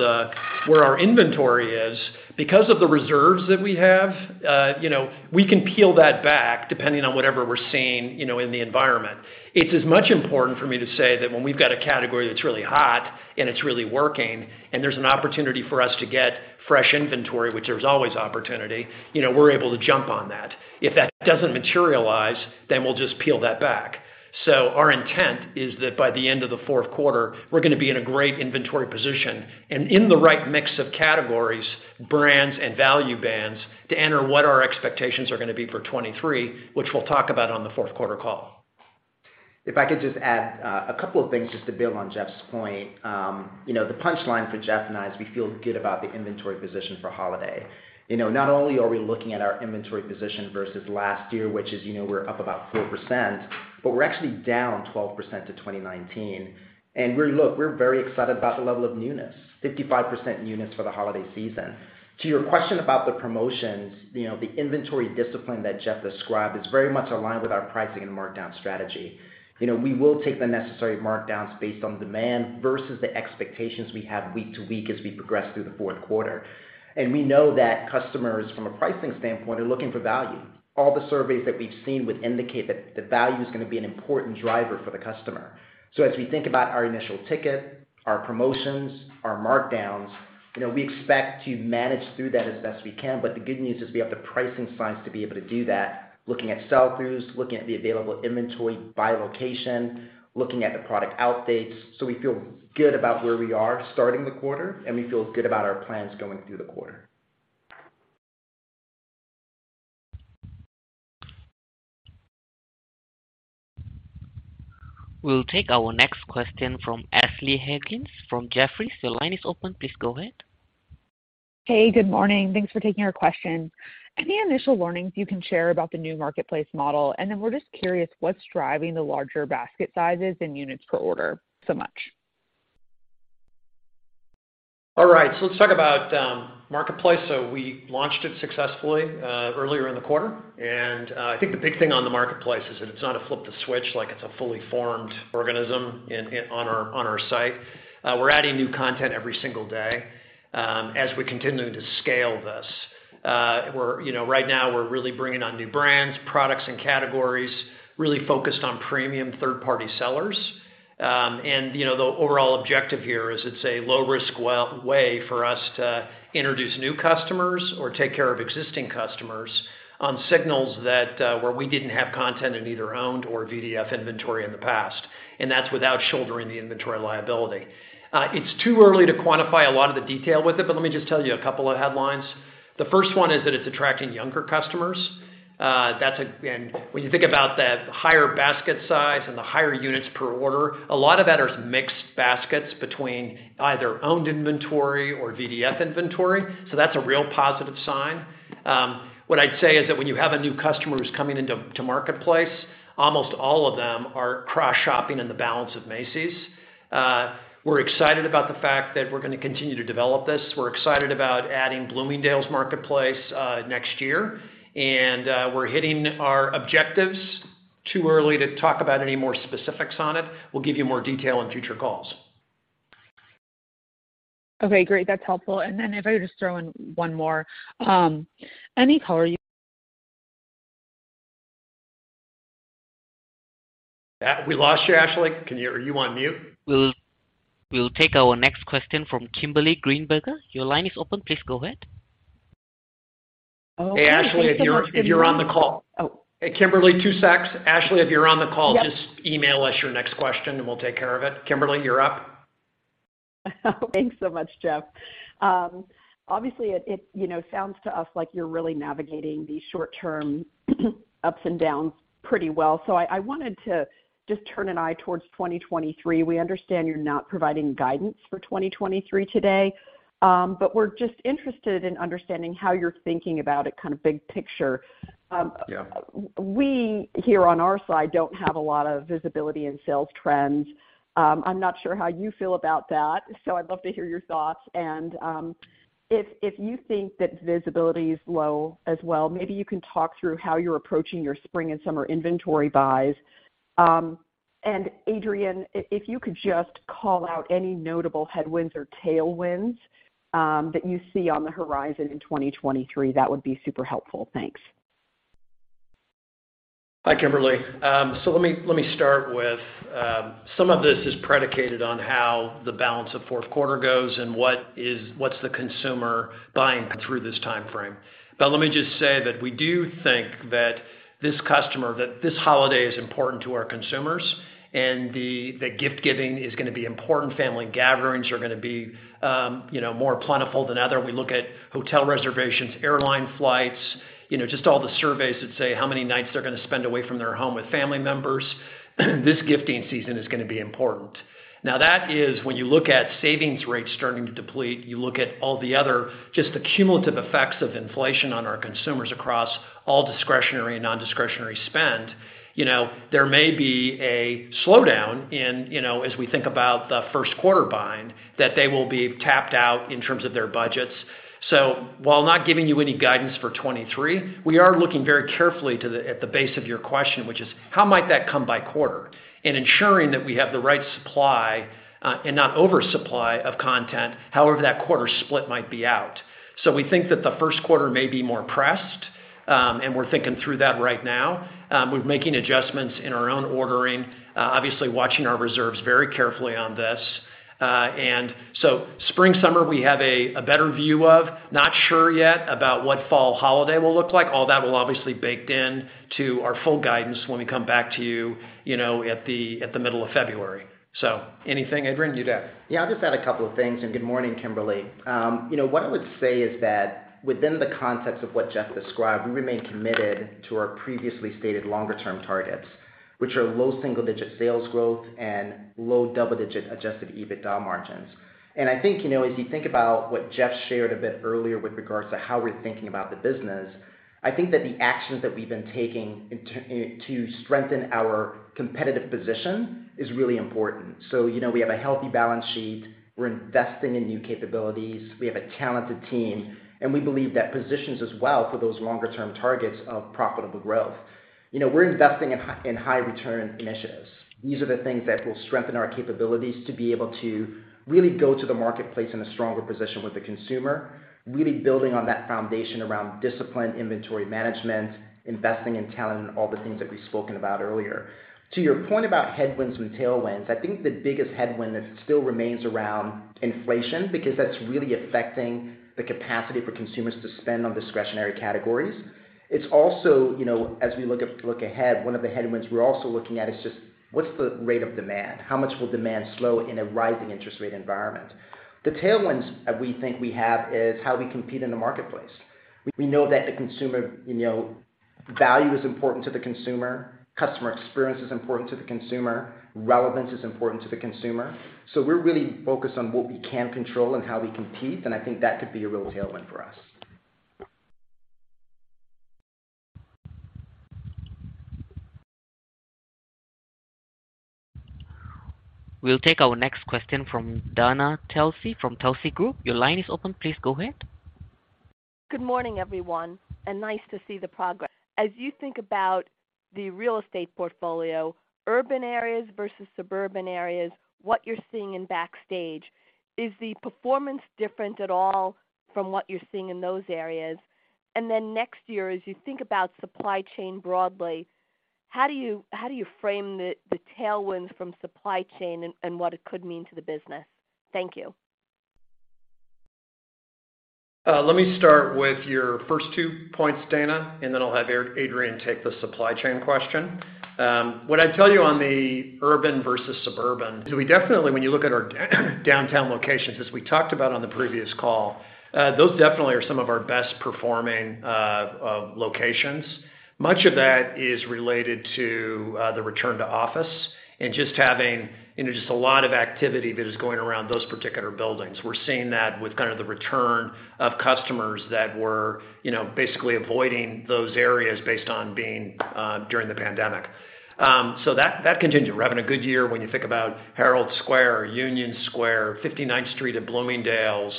where our inventory is, because of the reserves that we have, you know, we can peel that back depending on whatever we're seeing, you know, in the environment. It's as much important for me to say that when we've got a category that's really hot and it's really working, and there's an opportunity for us to get fresh inventory, which there's always opportunity, you know, we're able to jump on that. If that doesn't materialize, then we'll just peel that back. Our intent is that by the end of the fourth quarter, we're gonna be in a great inventory position and in the right mix of categories, brands, and value bands to enter what our expectations are gonna be for 2023, which we'll talk about on the fourth quarter call. If I could just add a couple of things just to build on Jeff's point. You know, the punchline for Jeff and I is we feel good about the inventory position for holiday. You know, not only are we looking at our inventory position versus last year, which is, you know, we're up about 4%, but we're actually down 12% to 2019. Look, we're very excited about the level of newness, 55% newness for the holiday season. To your question about the promotions, you know, the inventory discipline that Jeff described is very much aligned with our pricing and markdown strategy. You know, we will take the necessary markdowns based on demand versus the expectations we have week to week as we progress through the fourth quarter. We know that customers, from a pricing standpoint, are looking for value. All the surveys that we've seen would indicate that the value is gonna be an important driver for the customer. As we think about our initial ticket, our promotions, our markdowns, you know, we expect to manage through that as best we can. The good news is we have the pricing science to be able to do that, looking at sell-throughs, looking at the available inventory by location, looking at the product outdates. We feel good about where we are starting the quarter, and we feel good about our plans going through the quarter. We'll take our next question from Ashley Helgans from Jefferies. Your line is open. Please go ahead. Hey, good morning. Thanks for taking our question. Any initial learnings you can share about the new marketplace model? We're just curious, what's driving the larger basket sizes and units per order so much? All right, let's talk about marketplace. We launched it successfully earlier in the quarter. I think the big thing on the marketplace is that it's not a flip the switch like it's a fully formed organism on our site. We're adding new content every single day as we continue to scale this. You know, right now we're really bringing on new brands, products, and categories, really focused on premium third-party sellers. You know, the overall objective here is it's a low-risk way for us to introduce new customers or take care of existing customers on signals where we didn't have content in either owned or VDF inventory in the past, and that's without shouldering the inventory liability. It's too early to quantify a lot of the detail with it, but let me just tell you a couple of headlines. The first one is that it's attracting younger customers. When you think about the higher basket size and the higher units per order, a lot of that is mixed baskets between either owned inventory or VDF inventory. That's a real positive sign. What I'd say is that when you have a new customer who's coming into Marketplace, almost all of them are cross-shopping in the balance of Macy's. We're excited about the fact that we're gonna continue to develop this. We're excited about adding Bloomingdale's Marketplace next year. We're hitting our objectives. Too early to talk about any more specifics on it. We'll give you more detail on future calls. Okay, great. That's helpful. If I could just throw in one more. We lost you, Ashley. Are you on mute? We'll take our next question from Kimberly Greenberger. Your line is open. Please go ahead. Hey, Ashley, if you're on the call. Oh. Hey, Kimberly, two secs. Ashley, if you're on the call. Yep. Just email us your next question and we'll take care of it. Kimberly Greenberger, you're up. Thanks so much, Jeff. Obviously it, you know, sounds to us like you're really navigating the short-term ups and downs pretty well. I wanted to just turn an eye towards 2023. We understand you're not providing guidance for 2023 today. We're just interested in understanding how you're thinking about it kind of big picture. Yeah. We here on our side don't have a lot of visibility in sales trends. I'm not sure how you feel about that, so I'd love to hear your thoughts. If you think that visibility is low as well, maybe you can talk through how you're approaching your spring and summer inventory buys. Adrian, if you could just call out any notable headwinds or tailwinds that you see on the horizon in 2023, that would be super helpful. Thanks. Hi, Kimberly. Let me start with some of this is predicated on how the balance of fourth quarter goes and what's the consumer buying through this timeframe. Let me just say that we do think that this holiday is important to our consumers and the gift giving is gonna be important. Family gatherings are gonna be, you know, more plentiful than others. We look at hotel reservations, airline flights, you know, just all the surveys that say how many nights they're gonna spend away from their home with family members. This gifting season is gonna be important. Now that is when you look at savings rates starting to deplete, you look at just the cumulative effects of inflation on our consumers across all discretionary and non-discretionary spend. You know, there may be a slowdown in, you know, as we think about the first quarter buying, that they will be tapped out in terms of their budgets. While not giving you any guidance for 2023, we are looking very carefully at the base of your question, which is how might that come by quarter? Ensuring that we have the right supply and not oversupply of content however that quarter split might be out. We think that the first quarter may be more pressed, and we're thinking through that right now. We're making adjustments in our own ordering, obviously watching our reserves very carefully on this. Spring, summer, we have a better view of. Not sure yet about what fall holiday will look like. All that will obviously baked into our full guidance when we come back to you know, at the middle of February. Anything, Adrian, you got? Yeah, I'll just add a couple of things. Good morning, Kimberly. You know, what I would say is that within the context of what Jeff described, we remain committed to our previously stated longer-term targets, which are low-single-digit sales growth and low-double-digit adjusted EBITDA margins. I think, you know, as you think about what Jeff shared a bit earlier with regards to how we're thinking about the business, I think that the actions that we've been taking to strengthen our competitive position is really important. You know, we have a healthy balance sheet. We're investing in new capabilities. We have a talented team, and we believe that positions us well for those longer-term targets of profitable growth. You know, we're investing in high-return initiatives. These are the things that will strengthen our capabilities to be able to really go to the marketplace in a stronger position with the consumer, really building on that foundation around disciplined inventory management, investing in talent, and all the things that we've spoken about earlier. To your point about headwinds and tailwinds, I think the biggest headwind that still remains around inflation, because that's really affecting the capacity for consumers to spend on discretionary categories. It's also, you know, as we look ahead, one of the headwinds we're also looking at is just what's the rate of demand? How much will demand slow in a rising interest rate environment? The tailwinds that we think we have is how we compete in the marketplace. We know that the consumer, you know, value is important to the consumer. Customer experience is important to the consumer. Relevance is important to the consumer. We're really focused on what we can control and how we compete, and I think that could be a real tailwind for us. We'll take our next question from Dana Telsey from Telsey Group. Your line is open. Please go ahead. Good morning, everyone, and nice to see the progress. As you think about the real estate portfolio, urban areas versus suburban areas, what you're seeing in Backstage, is the performance different at all from what you're seeing in those areas? Next year, as you think about supply chain broadly, how do you frame the tailwinds from supply chain and what it could mean to the business? Thank you. Let me start with your first two points, Dana, and then I'll have Adrian take the supply chain question. What I'd tell you on the urban versus suburban is we definitely, when you look at our downtown locations, as we talked about on the previous call, those definitely are some of our best performing locations. Much of that is related to the return to office and just having, you know, just a lot of activity that is going around those particular buildings. We're seeing that with kind of the return of customers that were, you know, basically avoiding those areas based on being during the pandemic. That continues. We're having a good year when you think about Herald Square or Union Square, 59th Street at Bloomingdale's.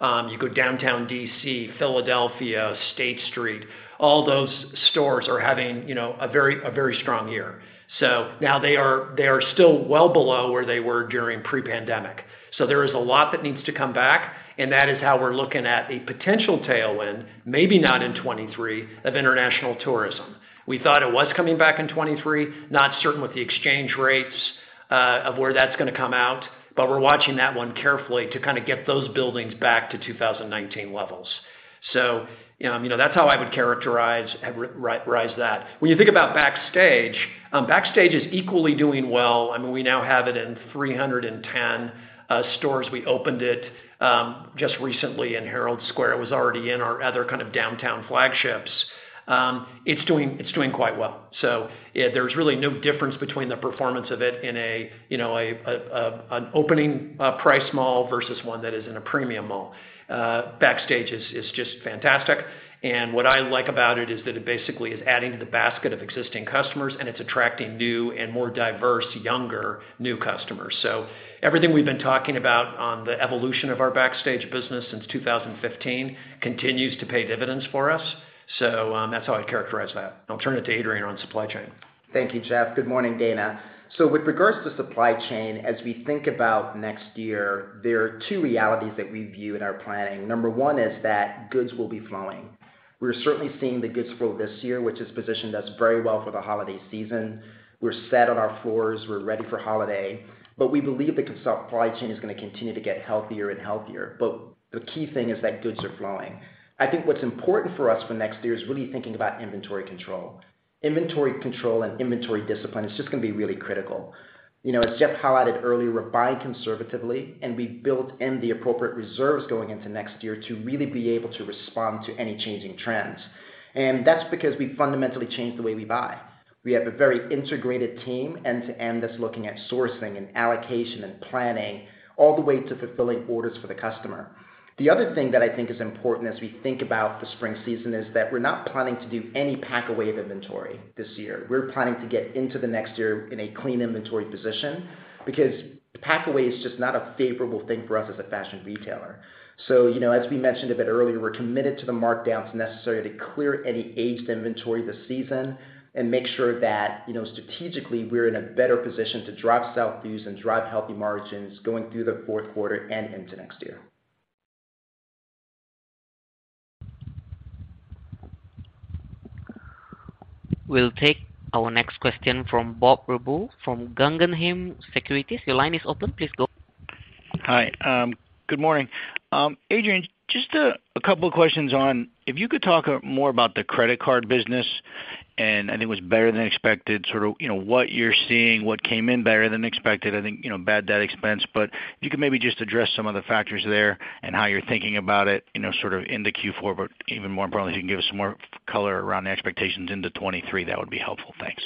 You go downtown D.C., Philadelphia, State Street, all those stores are having, you know, a very strong year. Now they are still well below where they were during pre-pandemic. There is a lot that needs to come back, and that is how we're looking at a potential tailwind, maybe not in 2023, of international tourism. We thought it was coming back in 2023. Not certain with the exchange rates of where that's gonna come out, but we're watching that one carefully to kind of get those buildings back to 2019 levels. You know, I mean, that's how I would characterize that. When you think about Backstage is equally doing well. I mean, we now have it in 310 stores. We opened it just recently in Herald Square. It was already in our other kind of downtown flagships. It's doing quite well. There's really no difference between the performance of it in, you know, an opening price mall versus one that is in a premium mall. Backstage is just fantastic. What I like about it is that it basically is adding to the basket of existing customers, and it's attracting new and more diverse, younger new customers. Everything we've been talking about on the evolution of our Backstage business since 2015 continues to pay dividends for us. That's how I characterize that. I'll turn it to Adrian on supply chain. Thank you, Jeff. Good morning, Dana. With regards to supply chain, as we think about next year, there are two realities that we view in our planning. Number one is that goods will be flowing. We're certainly seeing the goods flow this year, which has positioned us very well for the holiday season. We're set on our floors. We're ready for holiday, but we believe the supply chain is gonna continue to get healthier and healthier. The key thing is that goods are flowing. I think what's important for us for next year is really thinking about inventory control. Inventory control and inventory discipline is just gonna be really critical. You know, as Jeff highlighted earlier, we're buying conservatively, and we built in the appropriate reserves going into next year to really be able to respond to any changing trends. That's because we fundamentally changed the way we buy. We have a very integrated team end-to-end that's looking at sourcing and allocation and planning all the way to fulfilling orders for the customer. The other thing that I think is important as we think about the spring season is that we're not planning to do any pack away of inventory this year. We're planning to get into the next year in a clean inventory position because pack away is just not a favorable thing for us as a fashion retailer. You know, as we mentioned a bit earlier, we're committed to the markdowns necessary to clear any aged inventory this season and make sure that, you know, strategically, we're in a better position to drive sell-throughs and drive healthy margins going through the fourth quarter and into next year. We'll take our next question from Bob Drbul from Guggenheim Securities. Your line is open. Please go. Hi. Good morning. Adrian, just a couple of questions on if you could talk more about the credit card business, and I think it was better than expected, sort of, you know, what you're seeing, what came in better than expected. I think, you know, bad debt expense, but if you could maybe just address some of the factors there and how you're thinking about it, you know, sort of in the Q4. Even more importantly, if you can give us some more color around the expectations into 2023, that would be helpful. Thanks.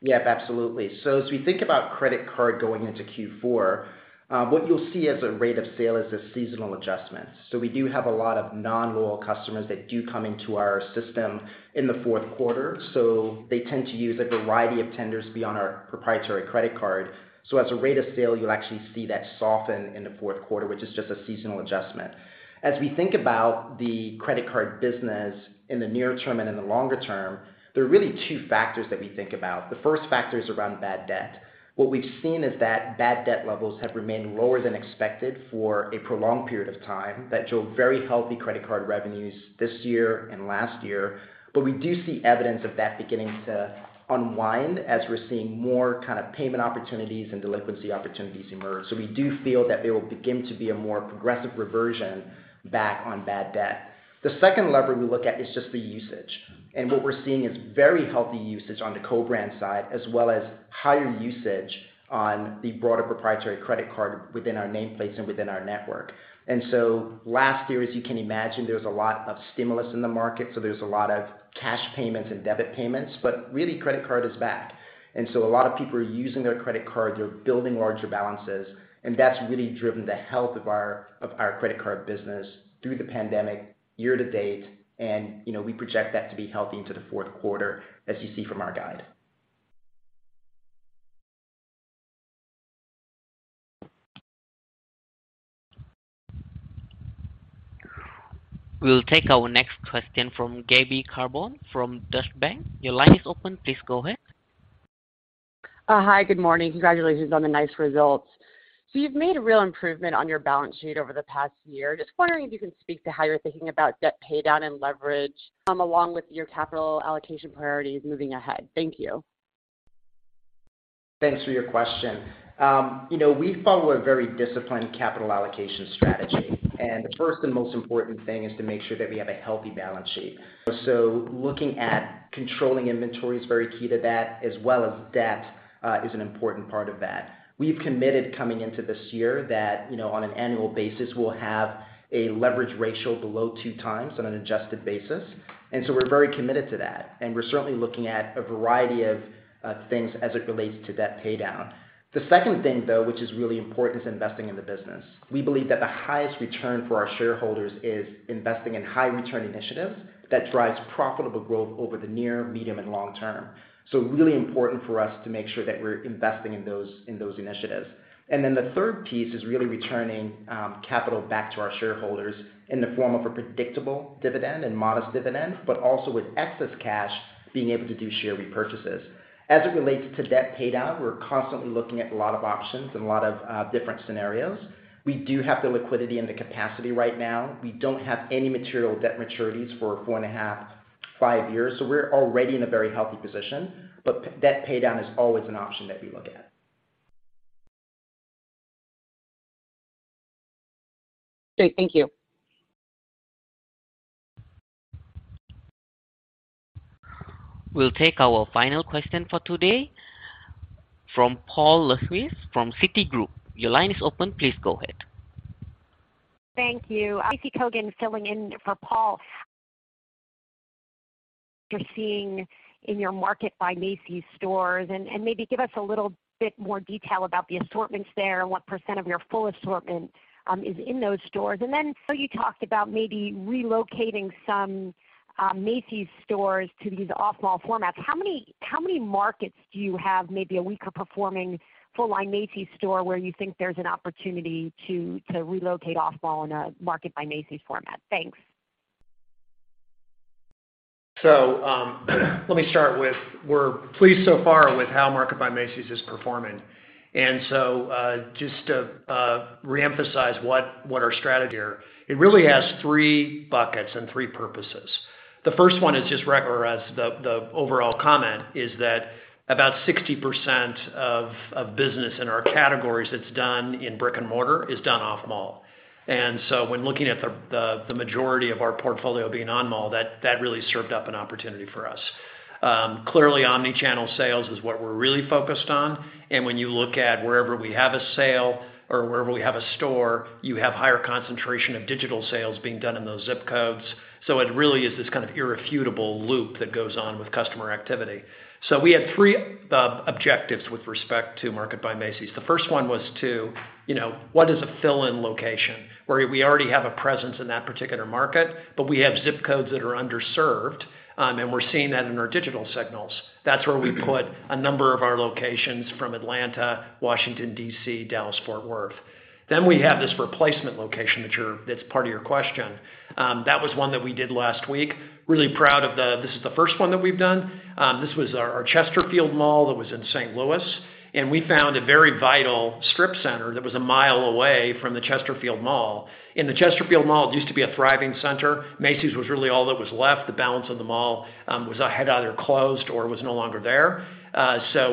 Yep, absolutely. As we think about credit card going into Q4, what you'll see as a rate of sale is the seasonal adjustments. We do have a lot of non-loyal customers that do come into our system in the fourth quarter, so they tend to use a variety of tenders beyond our proprietary credit card. As a rate of sale, you'll actually see that soften in the fourth quarter, which is just a seasonal adjustment. As we think about the credit card business in the near term and in the longer term, there are really two factors that we think about. The first factor is around bad debt. What we've seen is that bad debt levels have remained lower than expected for a prolonged period of time that show very healthy credit card revenues this year and last year. We do see evidence of that beginning to unwind as we're seeing more kind of payment opportunities and delinquency opportunities emerge. We do feel that there will begin to be a more progressive reversion back on bad debt. The second lever we look at is just the usage. What we're seeing is very healthy usage on the co-brand side, as well as higher usage on the broader proprietary credit card within our nameplates and within our network. Last year, as you can imagine, there was a lot of stimulus in the market, so there's a lot of cash payments and debit payments, but really, credit card is back. A lot of people are using their credit card. They're building larger balances, and that's really driven the health of our credit card business through the pandemic year to date. You know, we project that to be healthy into the fourth quarter as you see from our guide. We'll take our next question from Gabriella Carbone from Deutsche Bank. Your line is open. Please go ahead. Hi, good morning. Congratulations on the nice results. You've made a real improvement on your balance sheet over the past year. Just wondering if you can speak to how you're thinking about debt paydown and leverage along with your capital allocation priorities moving ahead. Thank you. Thanks for your question. You know, we follow a very disciplined capital allocation strategy, and the first and most important thing is to make sure that we have a healthy balance sheet. Looking at controlling inventory is very key to that, as well as debt is an important part of that. We've committed coming into this year that, you know, on an annual basis, we'll have a leverage ratio below 2x on an adjusted basis. We're very committed to that. We're certainly looking at a variety of things as it relates to debt paydown. The second thing, though, which is really important, is investing in the business. We believe that the highest return for our shareholders is investing in high return initiatives that drives profitable growth over the near, medium, and long term. Really important for us to make sure that we're investing in those initiatives. The third piece is really returning capital back to our shareholders in the form of a predictable dividend and modest dividend, but also with excess cash being able to do share repurchases. As it relates to debt paydown, we're constantly looking at a lot of options and a lot of different scenarios. We do have the liquidity and the capacity right now. We don't have any material debt maturities for four and a half, five years, so we're already in a very healthy position. Debt paydown is always an option that we look at. Great. Thank you. We'll take our final question for today from Paul Lejuez from Citigroup. Your line is open. Please go ahead. Thank you. Tracy Kogan filling in for Paul. You're seeing in your Market by Macy's stores, and maybe give us a little bit more detail about the assortments there and what % of your full assortment is in those stores. You talked about maybe relocating some Macy's stores to these off-mall formats. How many markets do you have maybe a weaker performing full line Macy's store where you think there's an opportunity to relocate off-mall in a Market by Macy's format? Thanks. Let me start with, we're pleased so far with how Market by Macy's is performing. Just to reemphasize what our strategy here. It really has three buckets and three purposes. The first one is just recognize the overall comment is that about 60% of business in our categories that's done in brick-and-mortar is done off-mall. When looking at the majority of our portfolio being on-mall, that really served up an opportunity for us. Clearly, omnichannel sales is what we're really focused on. When you look at wherever we have a sale or wherever we have a store, you have higher concentration of digital sales being done in those zip codes. It really is this kind of irrefutable loop that goes on with customer activity. We had three objectives with respect to Market by Macy's. The first one was, you know, what is a fill-in location where we already have a presence in that particular market, but we have ZIP codes that are underserved, and we're seeing that in our digital signals. That's where we put a number of our locations from Atlanta, Washington, D.C., Dallas-Fort Worth. We have this replacement location that's part of your question. That was one that we did last week. This is the first one that we've done. This was our Chesterfield Mall that was in St. Louis, and we found a very vital strip center that was a mile away from the Chesterfield Mall. In the Chesterfield Mall, it used to be a thriving center. Macy's was really all that was left. The balance of the mall had either closed or was no longer there.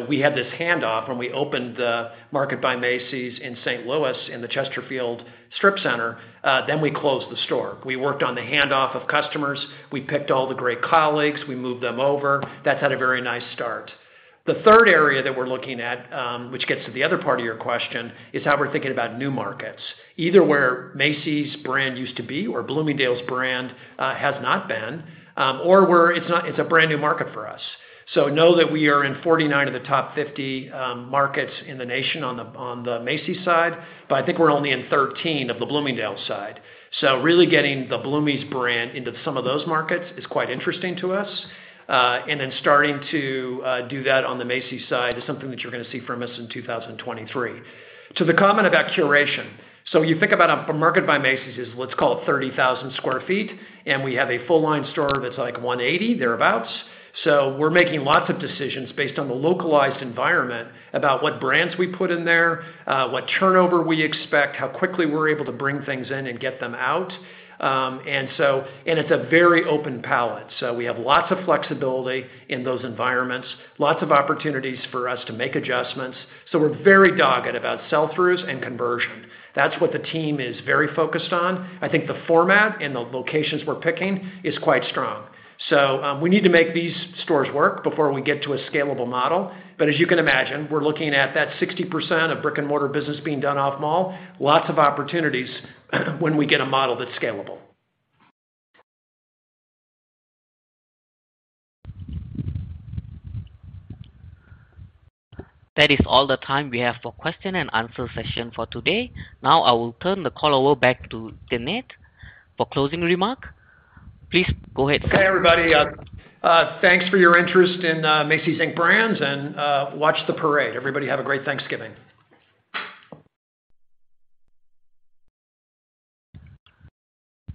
We had this handoff when we opened the Market by Macy's in St. Louis in the Chesterfield strip center. We closed the store. We worked on the handoff of customers. We picked all the great colleagues, we moved them over. That's had a very nice start. The third area that we're looking at, which gets to the other part of your question, is how we're thinking about new markets, either where Macy's brand used to be or Bloomingdale's brand has not been, or where it's a brand new market for us. Know that we are in 49 of the top 50 markets in the nation on the Macy's side, but I think we're only in 13 of the Bloomingdale's side. Really getting the Bloomie's brand into some of those markets is quite interesting to us. Starting to do that on the Macy's side is something that you're gonna see from us in 2023. To the comment about curation. You think about a Market by Macy's is what's called 30,000 sq ft, and we have a full line store that's like 180, thereabout. We're making lots of decisions based on the localized environment about what brands we put in there, what turnover we expect, how quickly we're able to bring things in and get them out. It's a very open palette. We have lots of flexibility in those environments, lots of opportunities for us to make adjustments. We're very dogged about sell-throughs and conversion. That's what the team is very focused on. I think the format and the locations we're picking is quite strong. We need to make these stores work before we get to a scalable model. As you can imagine, we're looking at that 60% of brick-and-mortar business being done off mall. Lots of opportunities when we get a model that's scalable. That is all the time we have for question and answer session for today. Now, I will turn the call over back to Jeff Gennette for closing remark. Please go ahead, sir. Okay, everybody. Thanks for your interest in Macy's, Inc brands. Watch the parade. Everybody have a great Thanksgiving.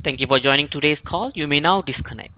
Thank you for joining today's call. You may now disconnect.